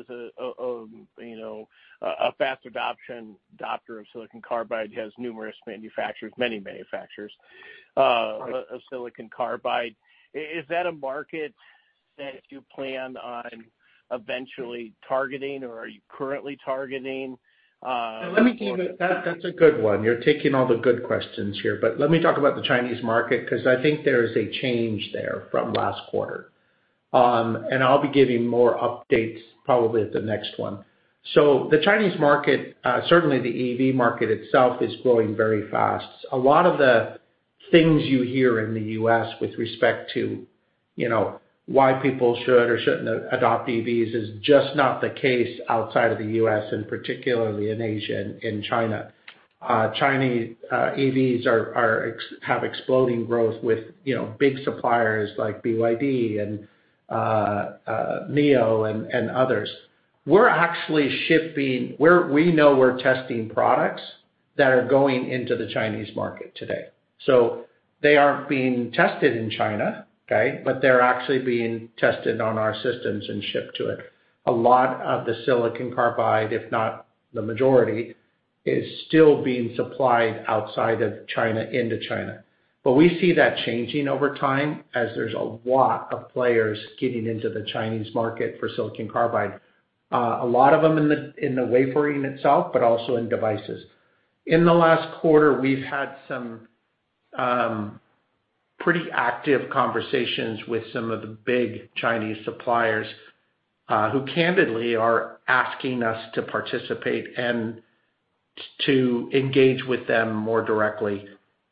a fast adopter of silicon carbide, has numerous manufacturers, many manufacturers? Right. of silicon carbide. Is that a market that you plan on eventually targeting or are you currently targeting? Let me give you that. That's a good one. You're taking all the good questions here. But let me talk about the Chinese market, because I think there is a change there from last quarter. And I'll be giving more updates probably at the next one. So the Chinese market, certainly the EV market itself, is growing very fast. A lot of the things you hear in the U.S. with respect to, you know, why people should or shouldn't adopt EVs, is just not the case outside of the U.S., and particularly in Asia and China. Chinese EVs have exploding growth with, you know, big suppliers like BYD and NIO and others. We're actually shipping. We know we're testing products that are going into the Chinese market today. So they aren't being tested in China, okay, but they're actually being tested on our systems and shipped to it. A lot of the silicon carbide, if not the majority, is still being supplied outside of China into China. But we see that changing over time, as there's a lot of players getting into the Chinese market for silicon carbide. A lot of them in the, in the wafering itself, but also in devices. In the last quarter, we've had some pretty active conversations with some of the big Chinese suppliers, who candidly are asking us to participate and to engage with them more directly.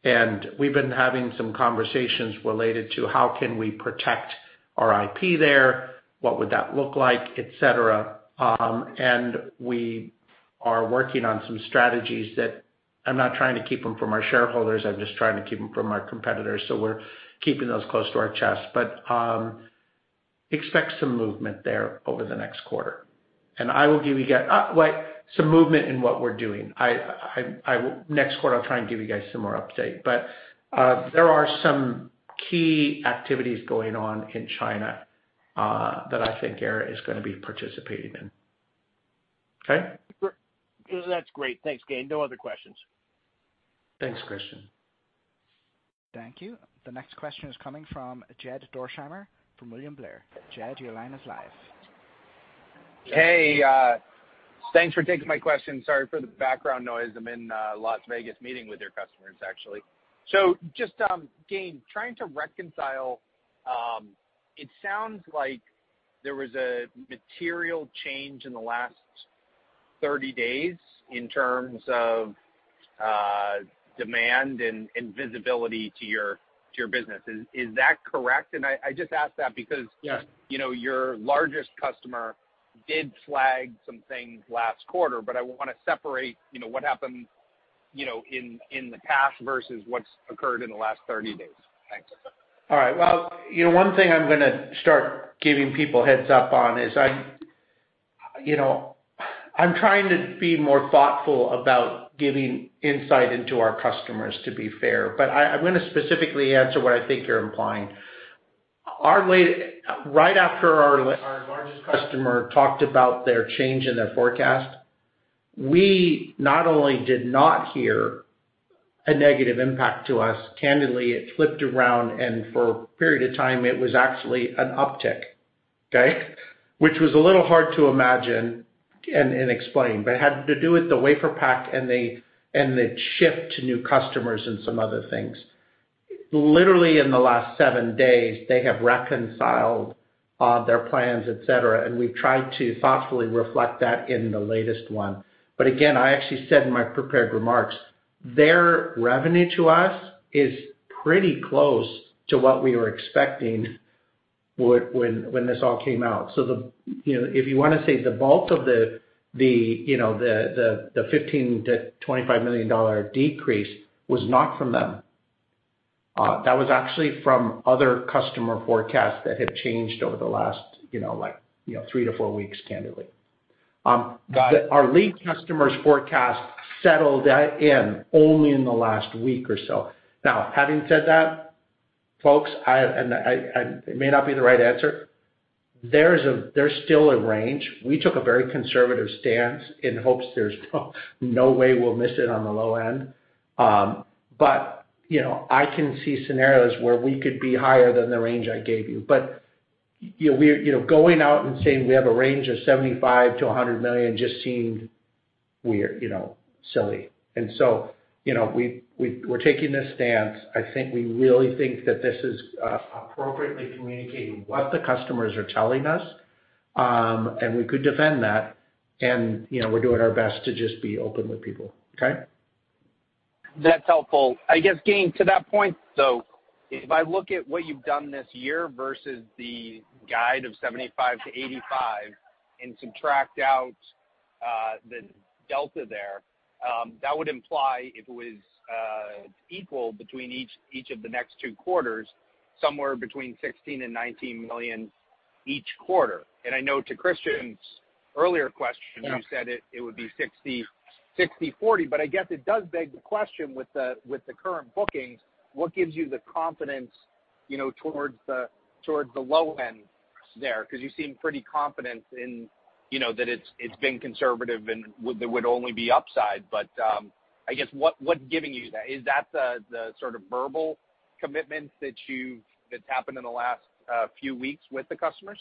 And we've been having some conversations related to: How can we protect our IP there? What would that look like? Et cetera. And we are working on some strategies that... I'm not trying to keep them from our shareholders, I'm just trying to keep them from our competitors, so we're keeping those close to our chest. But expect some movement there over the next quarter. And I will give you guys, well, some movement in what we're doing. Next quarter, I'll try and give you guys some more update. But there are some key activities going on in China that I think Aehr is gonna be participating in. Okay? That's great. Thanks, Gayn. No other questions. Thanks, Christian. Thank you. The next question is coming from Jed Dorsheimer from William Blair. Jed, your line is live. Hey, thanks for taking my question. Sorry for the background noise. I'm in Las Vegas meeting with your customers, actually. So just, Gayn, trying to reconcile, it sounds like there was a material change in the last 30 days in terms of, demand and, and visibility to your, to your business. Is, is that correct? And I, I just ask that because- Yes. You know, your largest customer did flag some things last quarter, but I want to separate, you know, what happened, you know, in the past versus what's occurred in the last 30 days. Thanks. All right. Well, you know, one thing I'm gonna start giving people a heads-up on is I, you know, I'm trying to be more thoughtful about giving insight into our customers, to be fair. But I, I'm gonna specifically answer what I think you're implying. Right after our largest customer talked about their change in their forecast, we not only did not hear a negative impact to us, candidly, it flipped around, and for a period of time, it was actually an uptick, okay? Which was a little hard to imagine and explain, but it had to do with the WaferPak and the shift to new customers and some other things. Literally, in the last seven days, they have reconciled their plans, et cetera, and we've tried to thoughtfully reflect that in the latest one. But again, I actually said in my prepared remarks, their revenue to us is pretty close to what we were expecting, when this all came out. So, you know, if you want to say the bulk of the $15 million-$25 million decrease was not from them. That was actually from other customer forecasts that have changed over the last, you know, like, three to four weeks, candidly. Got it. Our lead customers' forecast settled in only in the last week or so. Now, having said that, folks, it may not be the right answer, there is a-- there's still a range. We took a very conservative stance in hopes there's no way we'll miss it on the low end. But, you know, I can see scenarios where we could be higher than the range I gave you. But, you know, we're, you know, going out and saying we have a range of $75 million-$100 million just seemed weird, you know, silly. And so, you know, we, we're taking this stance. I think we really think that this is appropriately communicating what the customers are telling us, and we could defend that. And, you know, we're doing our best to just be open with people, okay? That's helpful. I guess, Gayn, to that point, though, if I look at what you've done this year versus the guide of $75 million-$85 million and subtract out the delta there, that would imply if it was equal between each of the next two quarters, somewhere between $16 million and $19 million each quarter. And I know to Christian's earlier question, you said it would be 60/40. But I guess it does beg the question with the current bookings, what gives you the confidence, you know, towards the low end there? Because you seem pretty confident in, you know, that it's been conservative and there would only be upside. But I guess, what's giving you that? Is that the sort of verbal commitments that you've—that's happened in the last few weeks with the customers?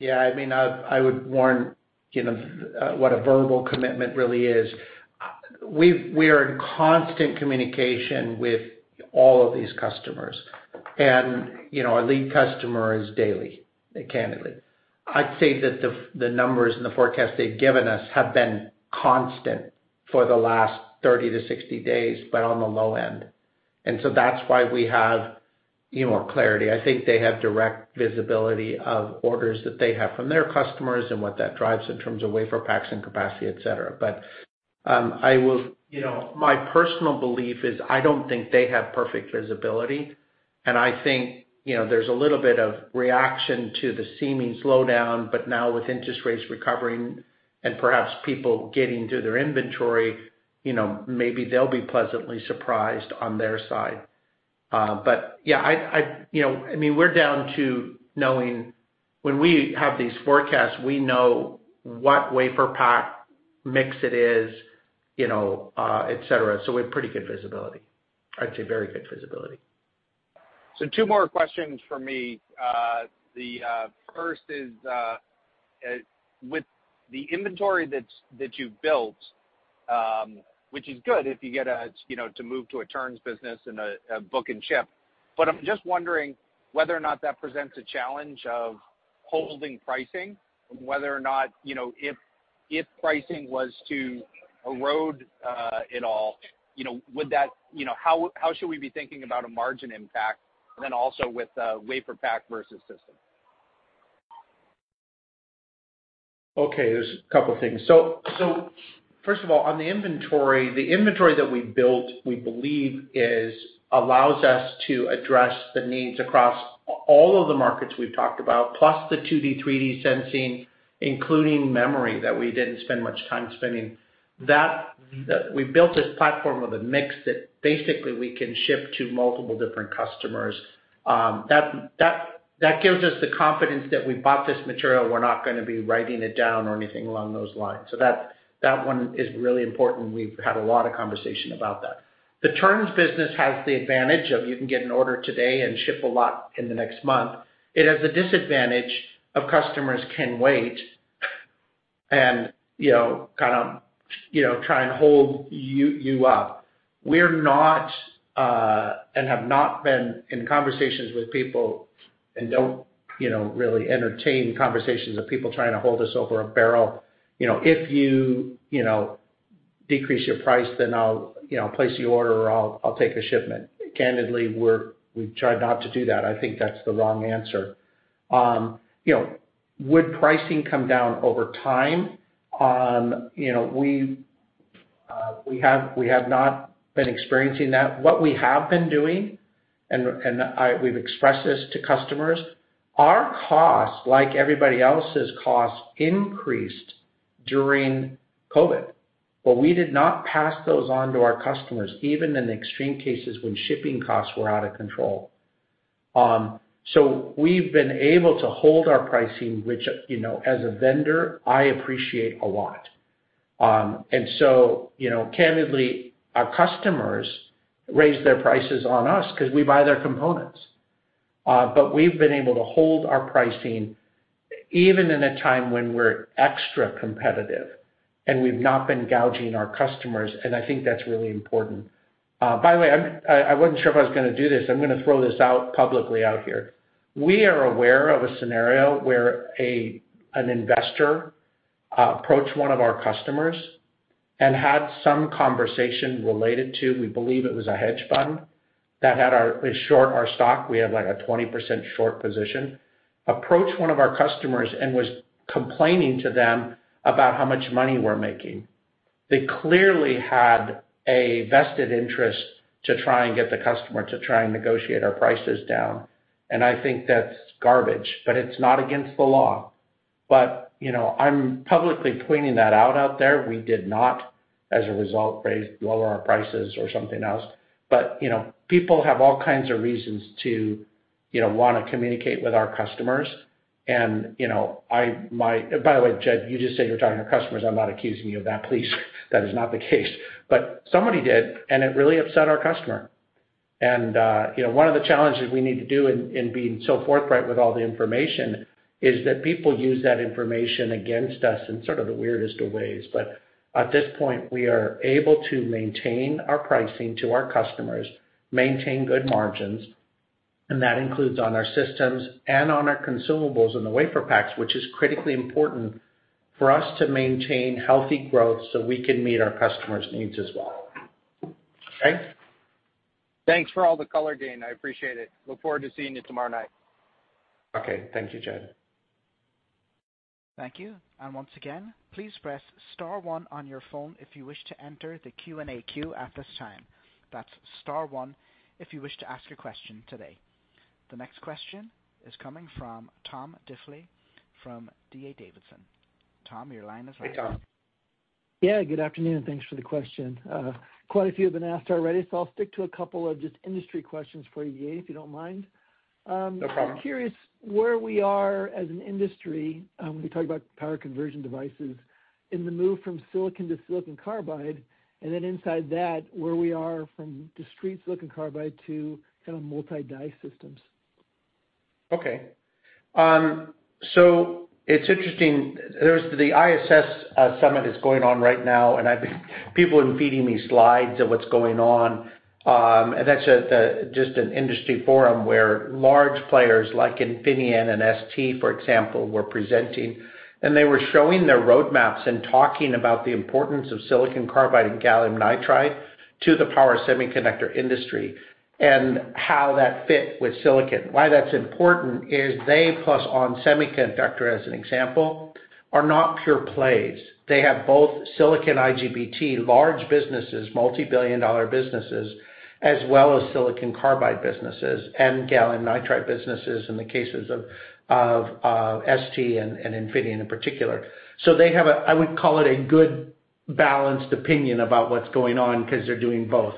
Yeah, I mean, I would warn, you know, what a verbal commitment really is. We are in constant communication with all of these customers. And, you know, our lead customer is daily, candidly. I'd say that the numbers and the forecast they've given us have been constant for the last 30-60 days, but on the low end. And so that's why we have, you know, clarity. I think they have direct visibility of orders that they have from their customers and what that drives in terms of WaferPaks and capacity, et cetera. But, you know, my personal belief is I don't think they have perfect visibility, and I think, you know, there's a little bit of reaction to the seeming slowdown, but now with interest rates recovering and perhaps people getting to their inventory, you know, maybe they'll be pleasantly surprised on their side. But, yeah, you know, I mean, we're down to knowing when we have these forecasts, we know what WaferPak mix it is, you know, et cetera. So we have pretty good visibility. I'd say very good visibility. So two more questions for me. The first is with the inventory that you've built, which is good if you get a, you know, to move to a turns business and a book and ship. But I'm just wondering whether or not that presents a challenge of holding pricing, whether or not, you know, if pricing was to erode at all, you know, would that. You know, how should we be thinking about a margin impact, and then also with the WaferPak versus system? Okay, there's a couple things. So, first of all, on the inventory, the inventory that we built, we believe, is allows us to address the needs across all of the markets we've talked about, plus the 2D, 3D sensing, including memory, that we didn't spend much time spending. That, we built this platform with a mix that basically we can ship to multiple different customers. That gives us the confidence that we bought this material, we're not gonna be writing it down or anything along those lines. So that one is really important. We've had a lot of conversation about that. The turns business has the advantage of you can get an order today and ship a lot in the next month. It has a disadvantage of customers can wait and, you know, kind of, you know, try and hold you up. We're not, and have not been in conversations with people and don't, you know, really entertain conversations with people trying to hold us over a barrel. You know, if you, you know, decrease your price, then I'll, you know, place the order or I'll take a shipment. Candidly, we've tried not to do that. I think that's the wrong answer. You know, would pricing come down over time? You know, we have, we have not been experiencing that. What we have been doing, we've expressed this to customers, our costs, like everybody else's costs, increased during COVID, but we did not pass those on to our customers, even in the extreme cases when shipping costs were out of control. So we've been able to hold our pricing, which, you know, as a vendor, I appreciate a lot. And so, you know, candidly, our customers raised their prices on us because we buy their components. But we've been able to hold our pricing even in a time when we're extra competitive, and we've not been gouging our customers, and I think that's really important. By the way, I'm- I wasn't sure if I was gonna do this. I'm gonna throw this out publicly out here. We are aware of a scenario where an investor approached one of our customers and had some conversation related to, we believe it was a hedge fund, that had our- they short our stock. We had, like, a 20% short position, approached one of our customers and was complaining to them about how much money we're making. They clearly had a vested interest to try and get the customer to try and negotiate our prices down, and I think that's garbage, but it's not against the law. But, you know, I'm publicly pointing that out there. We did not, as a result, lower our prices or something else. But, you know, people have all kinds of reasons to, you know, want to communicate with our customers. And, you know, I might... By the way, Jed, you just say you're talking to customers. I'm not accusing you of that. Please, that is not the case. But somebody did, and it really upset our customer. And, you know, one of the challenges we need to do in being so forthright with all the information is that people use that information against us in sort of the weirdest of ways. At this point, we are able to maintain our pricing to our customers, maintain good margins, and that includes on our systems and on our consumables and the WaferPaks, which is critically important for us to maintain healthy growth so we can meet our customers' needs as well. Okay? Thanks for all the color, Dane. I appreciate it. Look forward to seeing you tomorrow night. Okay. Thank you, Jed. ...Thank you. And once again, please press star one on your phone if you wish to enter the Q&A queue at this time. That's star one if you wish to ask a question today. The next question is coming from Tom Diffely from D.A. Davidson. Tom, your line is open. Hey, Tom. Yeah, good afternoon, and thanks for the question. Quite a few have been asked already, so I'll stick to a couple of just industry questions for you, Gayn, if you don't mind. No problem. I'm curious where we are as an industry, when we talk about power conversion devices, in the move from silicon to silicon carbide, and then inside that, where we are from discrete silicon carbide to kind of multi-die systems. Okay. So it's interesting. There's the ISS Summit that's going on right now, and I've been—people have been feeding me slides of what's going on. And that's a just an industry forum where large players like Infineon and ST, for example, were presenting, and they were showing their roadmaps and talking about the importance of silicon carbide and gallium nitride to the power semiconductor industry and how that fit with silicon. Why that's important is they, plus ON Semiconductor, as an example, are not pure plays. They have both silicon IGBT, large businesses, multibillion-dollar businesses, as well as silicon carbide businesses and gallium nitride businesses in the cases of, of, ST and, and Infineon in particular. So they have a, I would call it a good, balanced opinion about what's going on because they're doing both.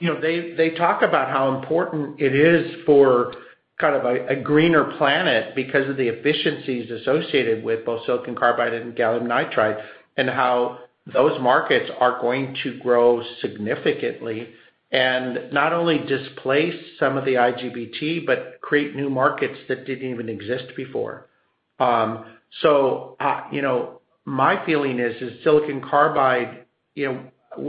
You know, they, they talk about how important it is for kind of a greener planet because of the efficiencies associated with both silicon carbide and gallium nitride, and how those markets are going to grow significantly, and not only displace some of the IGBT, but create new markets that didn't even exist before. So, you know, my feeling is silicon carbide, you know,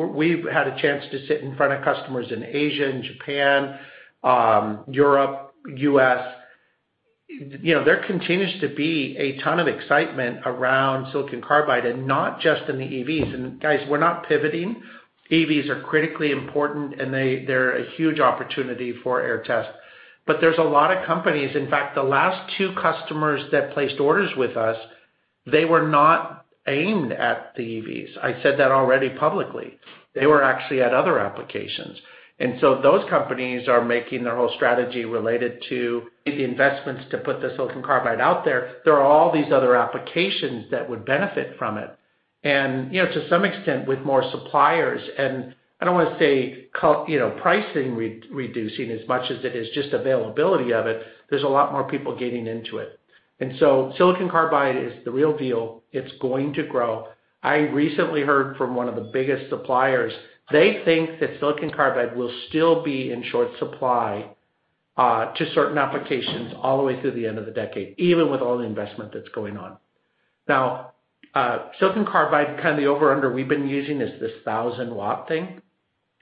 we've had a chance to sit in front of customers in Asia, in Japan, Europe, U.S. You know, there continues to be a ton of excitement around silicon carbide and not just in the EVs. And guys, we're not pivoting. EVs are critically important, and they're a huge opportunity for Aehr Test. But there's a lot of companies... In fact, the last two customers that placed orders with us, they were not aimed at the EVs. I said that already publicly. They were actually at other applications. And so those companies are making their whole strategy related to the investments to put the silicon carbide out there. There are all these other applications that would benefit from it. And, you know, to some extent, with more suppliers, and I don't want to say, co-- you know, pricing re-reducing as much as it is, just availability of it, there's a lot more people getting into it. And so silicon carbide is the real deal. It's going to grow. I recently heard from one of the biggest suppliers, they think that silicon carbide will still be in short supply to certain applications all the way through the end of the decade, even with all the investment that's going on. Now, silicon carbide, kind of the over/under we've been using is this 1,000 W thing.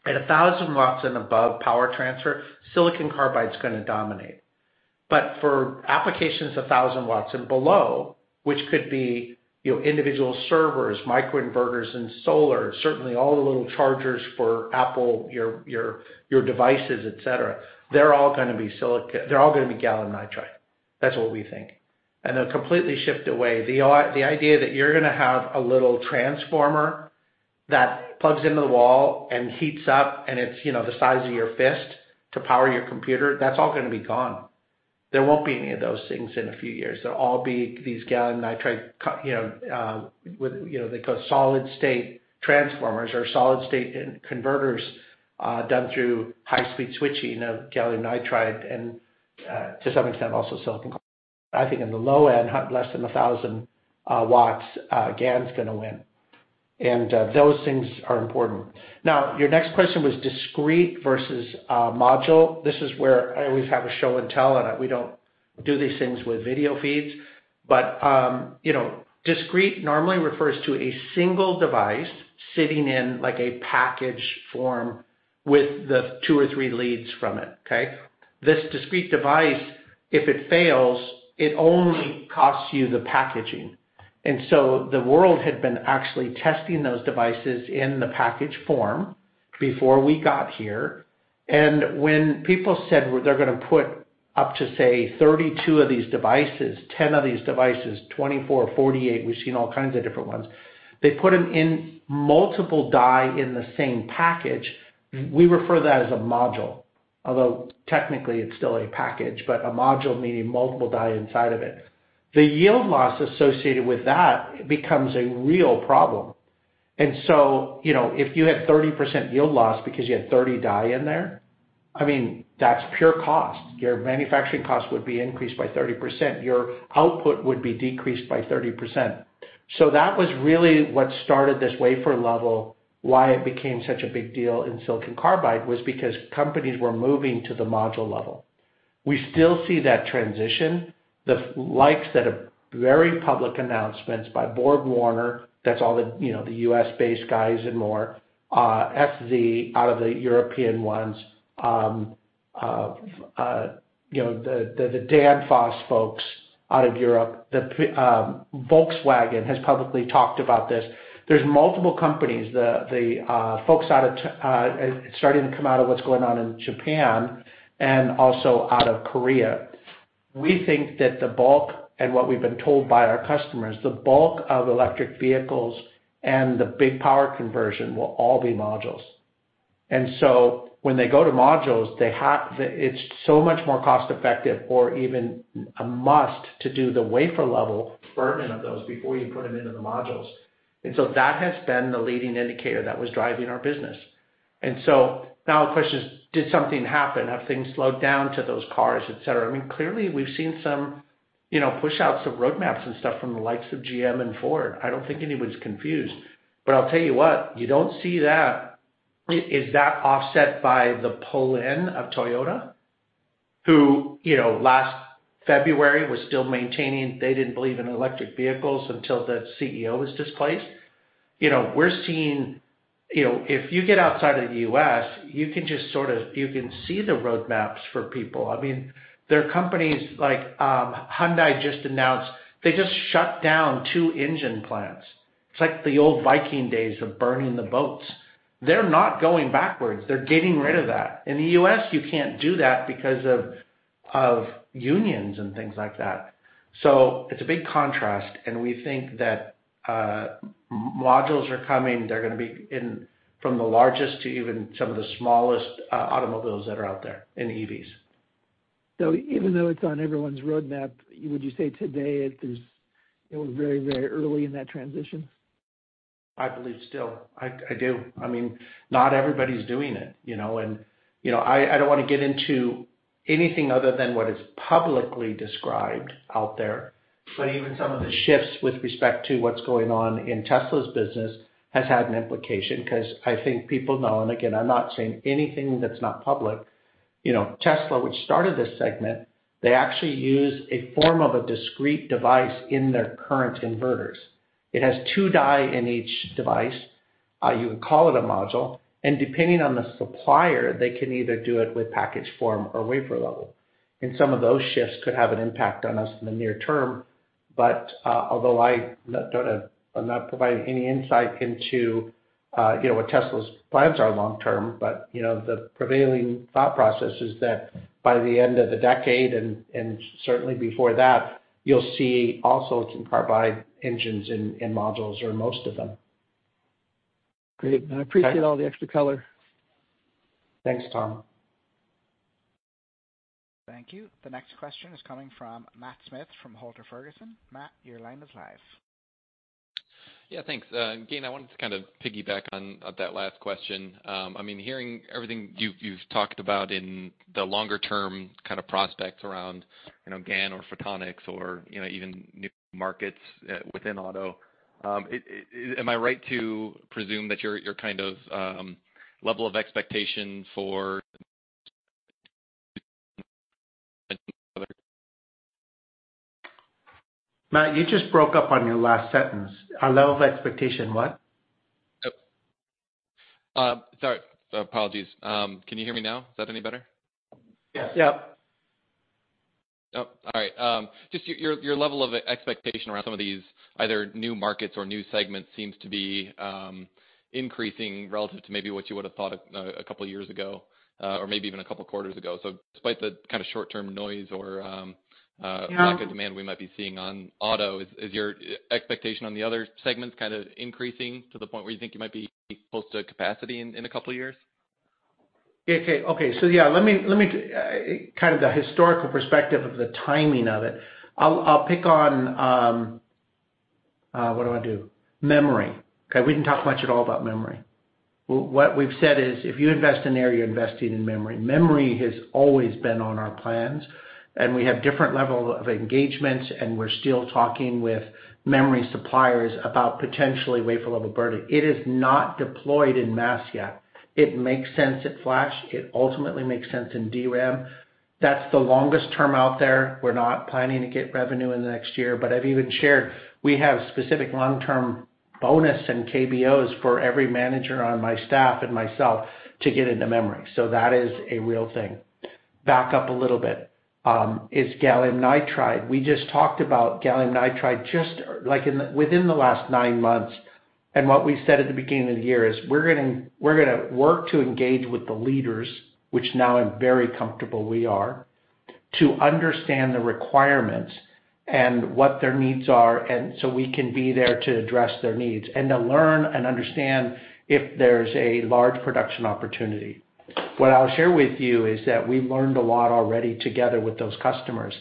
At 1,000 W and above power transfer, silicon carbide is gonna dominate. But for applications 1,000 W and below, which could be, you know, individual servers, microinverters and solar, certainly all the little chargers for Apple, your devices, et cetera, they're all gonna be gallium nitride. That's what we think. And they'll completely shift away. The idea that you're gonna have a little transformer that plugs into the wall and heats up, and it's, you know, the size of your fist to power your computer, that's all gonna be gone. There won't be any of those things in a few years. They'll all be these gallium nitride, you know, with, you know, they call solid-state transformers or solid-state converters, done through high-speed switching of gallium nitride and, to some extent, also silicon. I think in the low end, less than 1,000 W, GaN's gonna win. And those things are important. Now, your next question was discrete versus module. This is where I always have a show and tell, and we don't do these things with video feeds. But you know, discrete normally refers to a single device sitting in like a package form with the two or three leads from it, okay? This discrete device, if it fails, it only costs you the packaging. And so the world had been actually testing those devices in the package form before we got here. And when people said they're gonna put up to, say, 32 of these devices, 10 of these devices, 24, 48, we've seen all kinds of different ones. They put them in multiple die in the same package, we refer to that as a module, although technically it's still a package, but a module meaning multiple die inside of it. The yield loss associated with that becomes a real problem. And so, you know, if you had 30% yield loss because you had 30 die in there, I mean, that's pure cost. Your manufacturing cost would be increased by 30%. Your output would be decreased by 30%. So that was really what started this wafer level. Why it became such a big deal in silicon carbide was because companies were moving to the module level. We still see that transition, the likes that have very public announcements by BorgWarner, that's all the, you know, the U.S.-based guys and more, FZ out of the European ones, you know, the, the Danfoss folks out of Europe. Volkswagen has publicly talked about this. There's multiple companies, the, the, folks out of, starting to come out of what's going on in Japan and also out of Korea. We think that the bulk, and what we've been told by our customers, the bulk of electric vehicles and the big power conversion will all be modules. And so when they go to modules, they have the, it's so much more cost effective or even a must to do the wafer level burn-in of those before you put them into the modules. That has been the leading indicator that was driving our business. Now the question is, did something happen? Have things slowed down to those cars, et cetera? I mean, clearly, we've seen some, you know, pushouts of roadmaps and stuff from the likes of GM and Ford. I don't think anyone's confused. But I'll tell you what, you don't see that. Is that offset by the pull-in of Toyota, who, you know, last February, was still maintaining they didn't believe in electric vehicles until the CEO was displaced. You know, we're seeing. You know, if you get outside of the U.S., you can just sort of, you can see the roadmaps for people. I mean, there are companies like Hyundai just announced, they just shut down two engine plants. It's like the old Viking days of burning the boats. They're not going backwards. They're getting rid of that. In the U.S., you can't do that because of unions and things like that. So it's a big contrast, and we think that modules are coming. They're gonna be in from the largest to even some of the smallest automobiles that are out there in EVs. So even though it's on everyone's roadmap, would you say today it is, you know, very, very early in that transition? I believe still. I do. I mean, not everybody's doing it, you know? And, you know, I don't wanna get into anything other than what is publicly described out there, but even some of the shifts with respect to what's going on in Tesla's business has had an implication because I think people know, and again, I'm not saying anything that's not public. You know, Tesla, which started this segment, they actually use a form of a discrete device in their current inverters. It has two die in each device, you would call it a module, and depending on the supplier, they can either do it with package form or wafer level. And some of those shifts could have an impact on us in the near term. But, although I don't have, I'm not providing any insight into, you know, what Tesla's plans are long term, but, you know, the prevailing thought process is that by the end of the decade, and, and certainly before that, you'll see also some carbide engines in modules or most of them. Great. Okay. I appreciate all the extra color. Thanks, Tom. Thank you. The next question is coming from Matt Smith from Holter Ferguson. Matt, your line is live. Yeah, thanks. Again, I wanted to kind of piggyback on that last question. I mean, hearing everything you've talked about in the longer-term kind of prospects around, you know, GaN or photonics or, you know, even new markets within auto, am I right to presume that your kind of level of expectation for? Matt, you just broke up on your last sentence. Our level of expectation, what? Oh, sorry. Apologies. Can you hear me now? Is that any better? Yes. Yep. Oh, all right. Just your, your level of expectation around some of these, either new markets or new segments, seems to be increasing relative to maybe what you would have thought a couple of years ago, or maybe even a couple of quarters ago. So despite the kind of short-term noise or- Yeah... lack of demand we might be seeing on auto, is your expectation on the other segments kind of increasing to the point where you think you might be close to capacity in a couple of years? Okay. Okay, so yeah, let me kind of the historical perspective of the timing of it. I'll pick on what do I do? Memory. Okay, we didn't talk much at all about memory. What we've said is, if you invest in there, you're investing in memory. Memory has always been on our plans, and we have different level of engagements, and we're still talking with memory suppliers about potentially wafer-level burn-in. It is not deployed in mass yet. It makes sense at Flash. It ultimately makes sense in DRAM. That's the longest term out there. We're not planning to get revenue in the next year, but I've even shared we have specific long-term bonus and KBOs for every manager on my staff and myself to get into memory. So that is a real thing. Back up a little bit, is gallium nitride. We just talked about gallium nitride, just like within the last nine months, and what we said at the beginning of the year is, we're gonna work to engage with the leaders, which now I'm very comfortable we are, to understand the requirements and what their needs are, and so we can be there to address their needs, and to learn and understand if there's a large production opportunity. What I'll share with you is that we've learned a lot already together with those customers.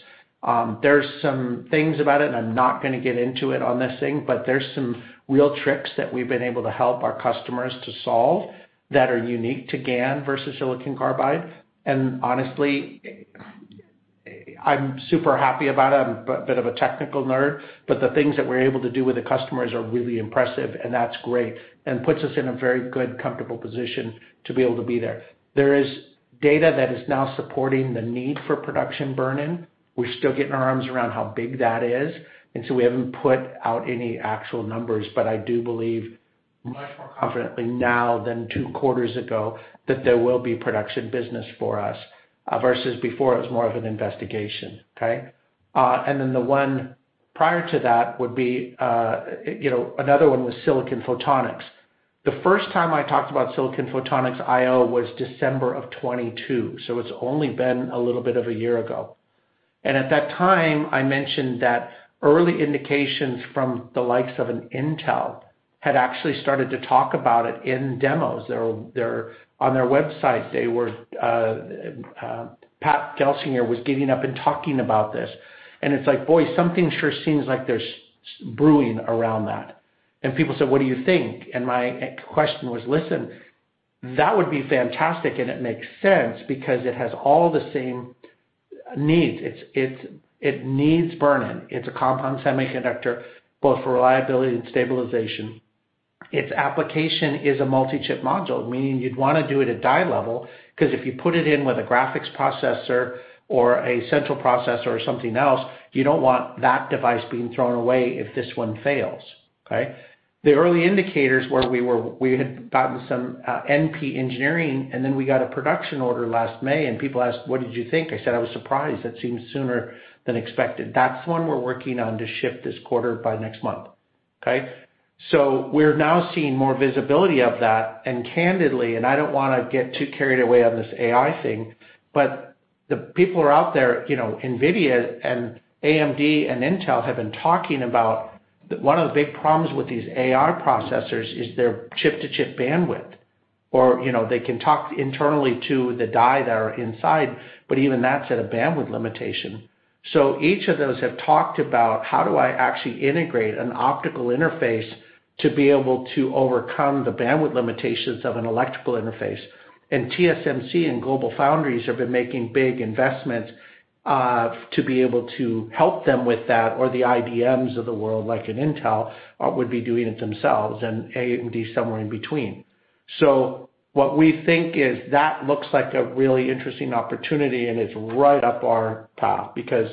There's some things about it, and I'm not gonna get into it on this thing, but there's some real tricks that we've been able to help our customers to solve that are unique to GaN versus silicon carbide. And honestly, I'm super happy about it. I'm a bit of a technical nerd, but the things that we're able to do with the customers are really impressive, and that's great and puts us in a very good, comfortable position to be able to be there. There is data that is now supporting the need for production burn-in. We're still getting our arms around how big that is, and so we haven't put out any actual numbers, but I do believe much more confidently now than two quarters ago, that there will be production business for us, versus before, it was more of an investigation. Okay? And then the one prior to that would be, you know, another one was silicon photonics. The first time I talked about silicon photonics I/O was December of 2022, so it's only been a little bit of a year ago. At that time, I mentioned that early indications from the likes of Intel had actually started to talk about it in demos. They're on their website, they were, Pat Gelsinger was giving up and talking about this. It's like, boy, something sure seems like there's brewing around that. People said, "What do you think?" My question was, "Listen, that would be fantastic, and it makes sense because it has all the same needs." It needs burn-in. It's a compound semiconductor, both for reliability and stabilization. Its application is a multi-chip module, meaning you'd wanna do it at die level, 'cause if you put it in with a graphics processor or a central processor or something else, you don't want that device being thrown away if this one fails, okay? The early indicators where we were, we had gotten some, NP engineering, and then we got a production order last May, and people asked: What did you think? I said, "I was surprised. That seemed sooner than expected." That's one we're working on to ship this quarter by next month, okay? So we're now seeing more visibility of that, and candidly, and I don't wanna get too carried away on this AI thing, but the people who are out there, you know, NVIDIA and AMD and Intel have been talking about, one of the big problems with these AI processors is their chip-to-chip bandwidth. Or, you know, they can talk internally to the die that are inside, but even that's at a bandwidth limitation. So each of those have talked about, how do I actually integrate an optical interface to be able to overcome the bandwidth limitations of an electrical interface? TSMC and GlobalFoundries have been making big investments to be able to help them with that, or the IBMs of the world, like an Intel, would be doing it themselves, and AMD somewhere in between. What we think is that looks like a really interesting opportunity, and it's right up our path. Because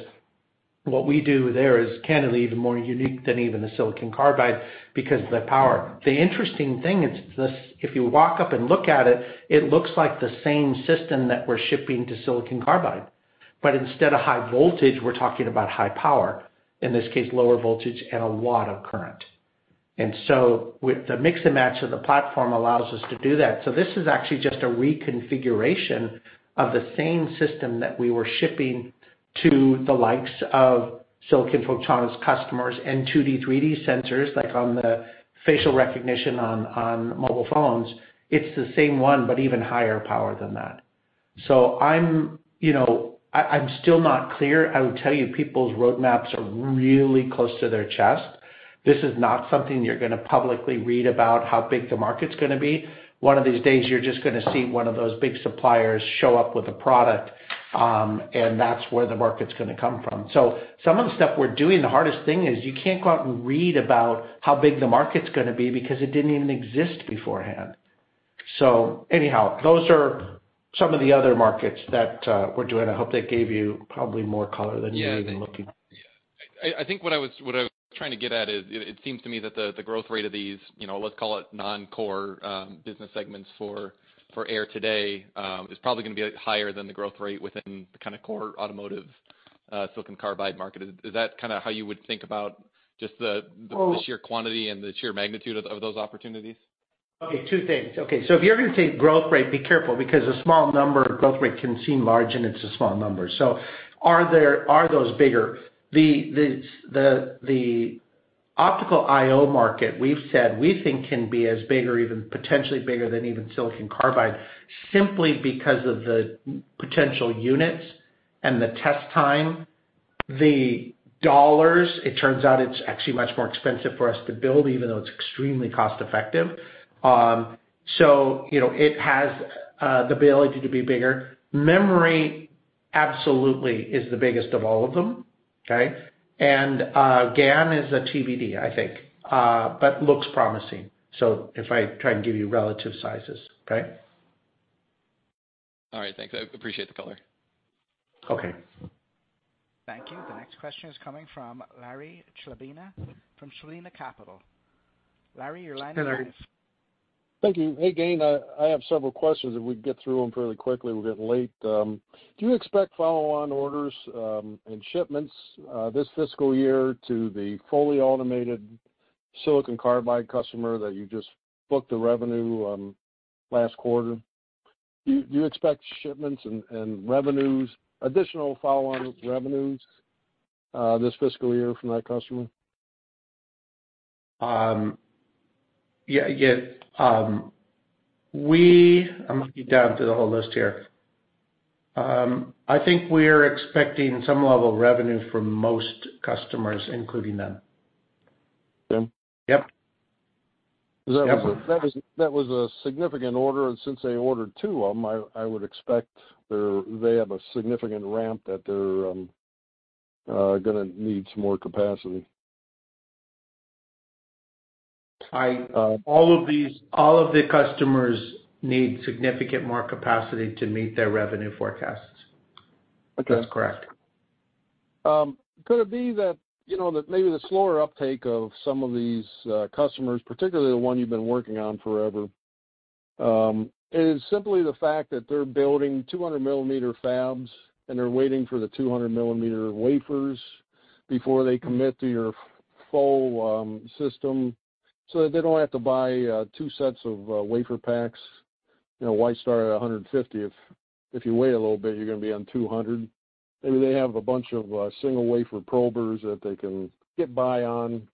what we do there is candidly even more unique than even the silicon carbide, because of the power. The interesting thing is this, if you walk up and look at it, it looks like the same system that we're shipping to silicon carbide. But instead of high voltage, we're talking about high power. In this case, lower voltage and a lot of current. With the mix and match of the platform allows us to do that. This is actually just a reconfiguration of the same system that we were shipping to the likes of Silicon Photonics customers and 2D, 3D sensors, like on the facial recognition on, on mobile phones. It's the same one, but even higher power than that. I'm, you know, I, I'm still not clear. I would tell you, people's roadmaps are really close to their chest. This is not something you're gonna publicly read about how big the market's gonna be. One of these days, you're just gonna see one of those big suppliers show up with a product, and that's where the market's gonna come from. Some of the stuff we're doing, the hardest thing is you can't go out and read about how big the market's gonna be, because it didn't even exist beforehand. Anyhow, those are some of the other markets that we're doing. I hope that gave you probably more color than you were looking. Yeah. I think what I was trying to get at is, it seems to me that the growth rate of these, you know, let's call it non-core business segments for Aehr today is probably gonna be higher than the growth rate within the kind of core automotive silicon carbide market. Is that kind of how you would think about just the- Well- - the sheer quantity and the sheer magnitude of those opportunities? Okay, two things. Okay, so if you're gonna take growth rate, be careful, because a small number growth rate can seem large, and it's a small number. So are those bigger? The optical I/O market, we've said, we think can be as big or even potentially bigger than even silicon carbide, simply because of the potential units and the test time. The dollars, it turns out it's actually much more expensive for us to build, even though it's extremely cost-effective. So you know, it has the ability to be bigger. Memory absolutely is the biggest of all of them, okay? And GaN is a TBD, I think, but looks promising. So if I try and give you relative sizes, okay? All right. Thanks. I appreciate the color. Okay. Thank you. The next question is coming from Larry Chlebina, from Chlebina Capital. Larry, your line is- Hey, Larry. Thank you. Hey, Gayn, I have several questions, if we can get through them fairly quickly. We're getting late. Do you expect follow-on orders and shipments this fiscal year to the fully automated silicon carbide customer that you just booked the revenue last quarter? Do you expect shipments and revenues, additional follow-on revenues this fiscal year from that customer? Yeah, yeah. I'm looking down through the whole list here. I think we're expecting some level of revenue from most customers, including them. Them? Yep. Yep. That was a significant order, and since they ordered two of them, I would expect they have a significant ramp that they're gonna need some more capacity. I- Uh- All of the customers need significantly more capacity to meet their revenue forecasts. Okay. That's correct. Could it be that, you know, that maybe the slower uptake of some of these customers, particularly the one you've been working on forever, and it's simply the fact that they're building 200 mm fabs, and they're waiting for the 200 mm wafers before they commit to your full system, so that they don't have to buy two sets of WaferPaks? You know, why start at 150 if you wait a little bit, you're gonna be on 200? Maybe they have a bunch of single wafer probers that they can get by on.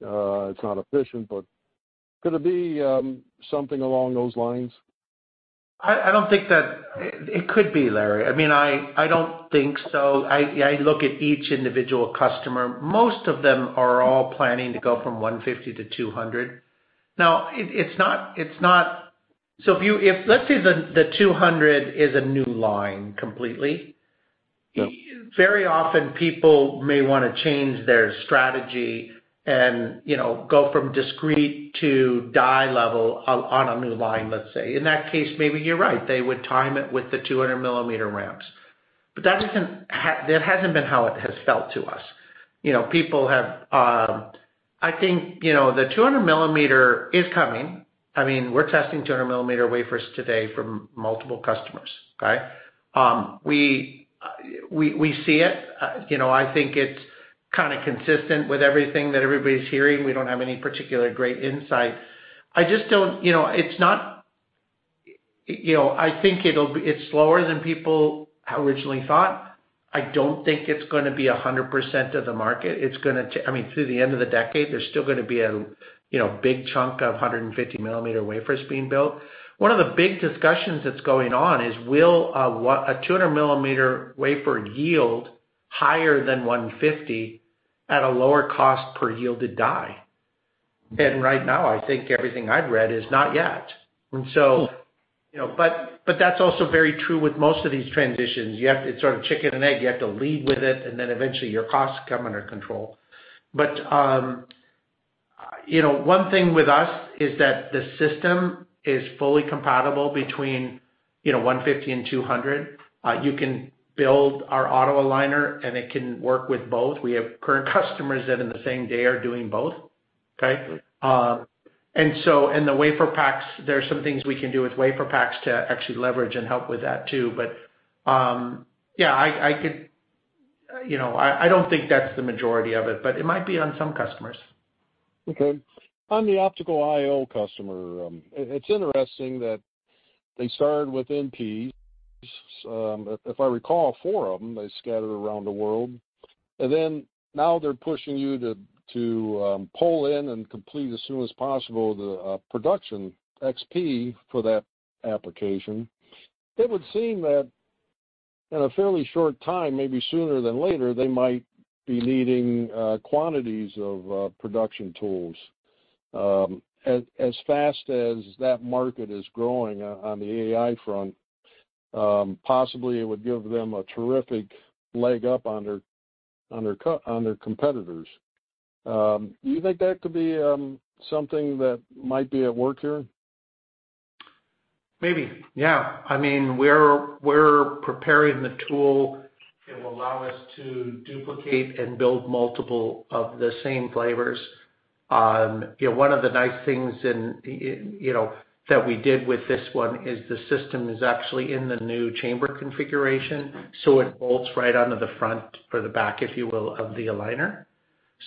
It's not efficient, but could it be something along those lines? I don't think that it could be, Larry. I mean, I don't think so. I look at each individual customer. Most of them are all planning to go from 150 to 200. Now, it's not. So if you—if, let's say the 200 is a new line completely. Yep. Very often, people may wanna change their strategy and, you know, go from discrete to die level on, on a new line, let's say. In that case, maybe you're right, they would time it with the 200 mm ramps. But that isn't, that hasn't been how it has felt to us. You know, people have, I think, you know, the 200 mm is coming. I mean, we're testing 200 mm wafers today from multiple customers, okay? We, we see it. You know, I think it's kind of consistent with everything that everybody's hearing. We don't have any particular great insight. I just don't, you know, it's not... you know, I think it'll be-- it's slower than people originally thought. I don't think it's gonna be 100% of the market. It's gonna, I mean, through the end of the decade, there's still gonna be a, you know, big chunk of 150 mm wafers being built. One of the big discussions that's going on is, will a 200 mm wafer yield higher than 150 at a lower cost per yielded die? Mm-hmm. Right now, I think everything I've read is, not yet. And so- Mm-hmm. You know, but, but that's also very true with most of these transitions. You have to... It's sort of chicken and egg. You have to lead with it, and then eventually, your costs come under control. But, you know, one thing with us is that the system is fully compatible between 150 and 200. You can build our auto aligner, and it can work with both. We have current customers that, in the same day, are doing both, okay? Mm-hmm. And so, the WaferPaks, there are some things we can do with WaferPaks to actually leverage and help with that, too. But, yeah, I could... You know, I don't think that's the majority of it, but it might be on some customers. Okay. On the Optical IO customer, it's interesting that they started with NPs. If I recall, four of them, they scattered around the world. And then, now they're pushing you to pull in and complete as soon as possible, the production XP for that application. It would seem that in a fairly short time, maybe sooner than later, they might be needing quantities of production tools. As fast as that market is growing on the AI front, possibly it would give them a terrific leg up on their competitors. Do you think that could be something that might be at work here? Maybe, yeah. I mean, we're preparing the tool. It will allow us to duplicate and build multiple of the same flavors. You know, one of the nice things that we did with this one is the system is actually in the new chamber configuration, so it bolts right onto the front or the back, if you will, of the aligner.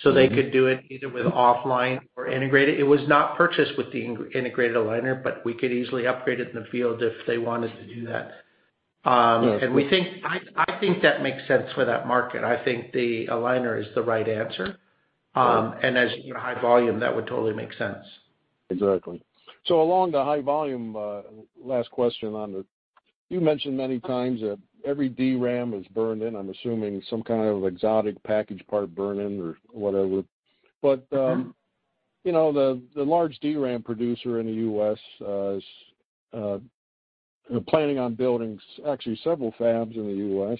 Mm-hmm. So they could do it either with offline or integrated. It was not purchased with the integrated aligner, but we could easily upgrade it in the field if they wanted to do that. Yes. We think, I think that makes sense for that market. I think the aligner is the right answer. Sure. And as you know, high volume, that would totally make sense. Exactly. So along the high volume, last question on it. You mentioned many times that every DRAM is burned in. I'm assuming some kind of exotic package part burn-in or whatever. Mm-hmm. But, you know, the large DRAM producer in the U.S. is planning on building actually, several fabs in the U.S.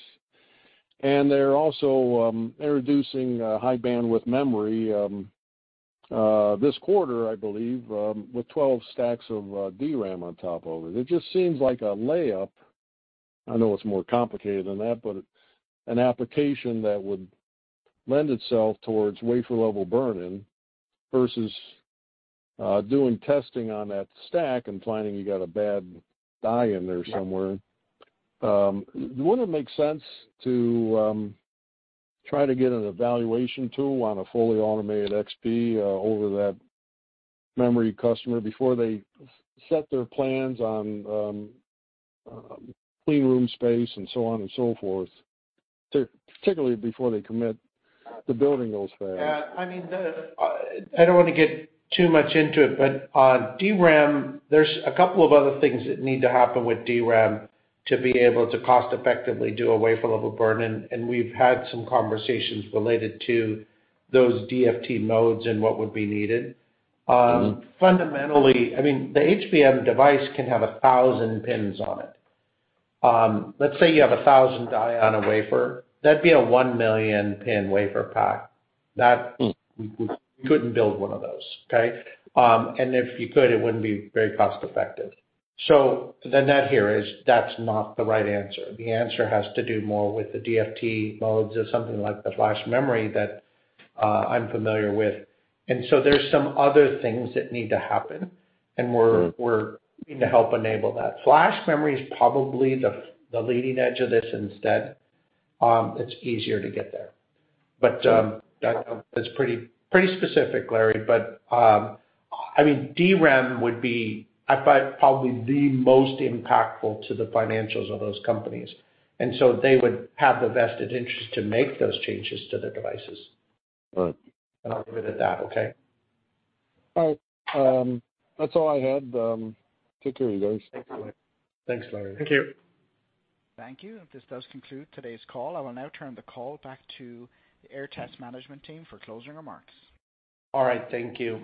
And they're also introducing high bandwidth memory this quarter, I believe, with 12 stacks of DRAM on top of it. It just seems like a layup, I know it's more complicated than that, but an application that would lend itself towards wafer-level burn-in, versus doing testing on that stack and finding you got a bad die in there somewhere. Yep. Would it make sense to try to get an evaluation tool on a fully automated XP over to that memory customer before they set their plans on clean room space, and so on and so forth, particularly before they commit to building those fabs? Yeah, I mean, I don't want to get too much into it, but, DRAM, there's a couple of other things that need to happen with DRAM to be able to cost-effectively do a wafer-level burn-in, and we've had some conversations related to those DFT modes and what would be needed. Mm-hmm. Fundamentally, I mean, the HBM device can have 1,000 pins on it. Let's say you have 1,000 die on a wafer, that'd be a 1 million pin WaferPak. That- Mm. We couldn't build one of those, okay? And if you could, it wouldn't be very cost effective. So the net here is, that's not the right answer. The answer has to do more with the DFT modes of something like the flash memory that I'm familiar with. And so there's some other things that need to happen, and we're- Mm-hmm. We're to help enable that. Flash memory is probably the leading edge of this instead. It's easier to get there. But that's pretty specific, Larry. But I mean, DRAM would be, I thought, probably the most impactful to the financials of those companies. And so they would have the vested interest to make those changes to their devices. Right. I'll leave it at that, okay? All right. That's all I had. Take care, you guys. Thanks, Larry. Thank you. Thank you. This does conclude today's call. I will now turn the call back to the Aehr Test management team for closing remarks. All right. Thank you.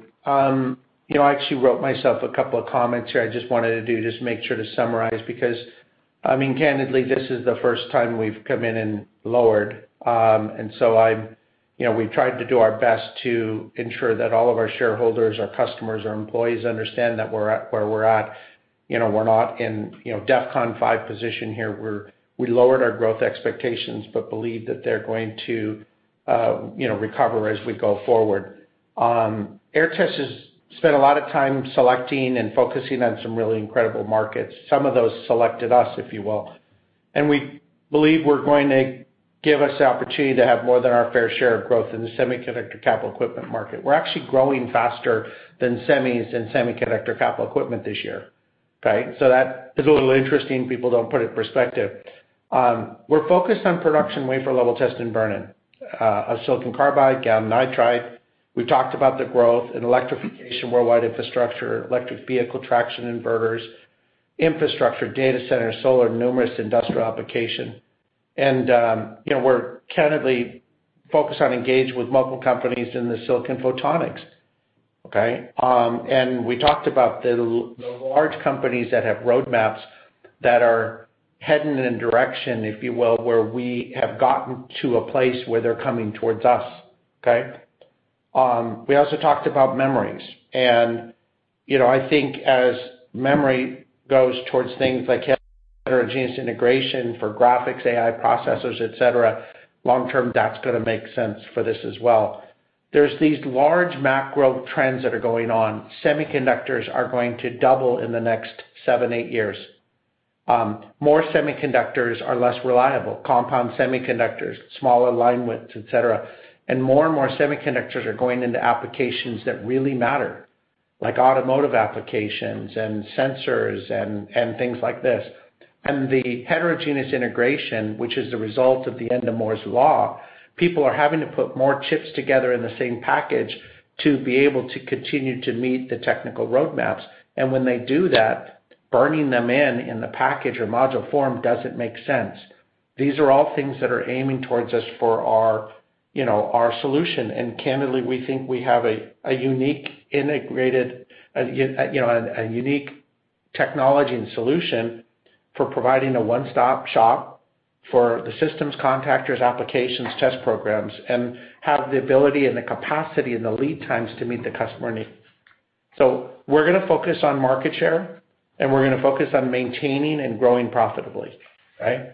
You know, I actually wrote myself a couple of comments here. I just wanted to just make sure to summarize, because, I mean, candidly, this is the first time we've come in and lowered. And so I—you know, we've tried to do our best to ensure that all of our shareholders, our customers, our employees understand that we're at, where we're at. You know, we're not in, you know, DEFCON 5 position here. We're—We lowered our growth expectations, but believe that they're going to, you know, recover as we go forward. Aehr Test has spent a lot of time selecting and focusing on some really incredible markets. Some of those selected us, if you will, and we believe we're going to give us the opportunity to have more than our fair share of growth in the semiconductor capital equipment market. We're actually growing faster than semis in semiconductor capital equipment this year, okay? So that is a little interesting. People don't put it in perspective. We're focused on production, wafer-level test, and burn-in of silicon carbide, gallium nitride. We've talked about the growth in electrification, worldwide infrastructure, electric vehicle traction, inverters, infrastructure, data center, solar, numerous industrial application. And, you know, we're candidly focused on engaging with multiple companies in the silicon photonics, okay? And we talked about the, the large companies that have roadmaps that are heading in a direction, if you will, where we have gotten to a place where they're coming towards us, okay? We also talked about memories, and, you know, I think as memory goes towards things like heterogeneous integration for graphics, AI processors, et cetera, long term, that's gonna make sense for this as well. There's these large macro trends that are going on. Semiconductors are going to double in the next seven-eight years. More semiconductors are less reliable, compound semiconductors, smaller line widths, et cetera. And more and more semiconductors are going into applications that really matter, like automotive applications and sensors and things like this. And the heterogeneous integration, which is the result of the end of Moore's Law, people are having to put more chips together in the same package to be able to continue to meet the technical roadmaps. And when they do that, burning them in the package or module form doesn't make sense. These are all things that are aiming towards us for our, you know, our solution. And candidly, we think we have a unique, integrated, you know, a unique technology and solution for providing a one-stop shop for the systems contactors, applications, test programs, and have the ability and the capacity and the lead times to meet the customer needs. So we're gonna focus on market share, and we're gonna focus on maintaining and growing profitably, right?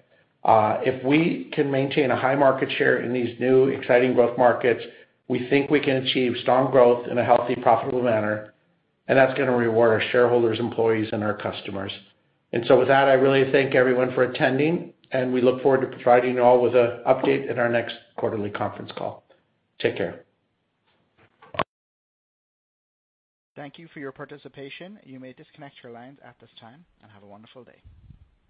If we can maintain a high market share in these new, exciting growth markets, we think we can achieve strong growth in a healthy, profitable manner, and that's gonna reward our shareholders, employees, and our customers. And so with that, I really thank everyone for attending, and we look forward to providing you all with an update at our next quarterly conference call. Take care. Thank you for your participation. You may disconnect your lines at this time, and have a wonderful day.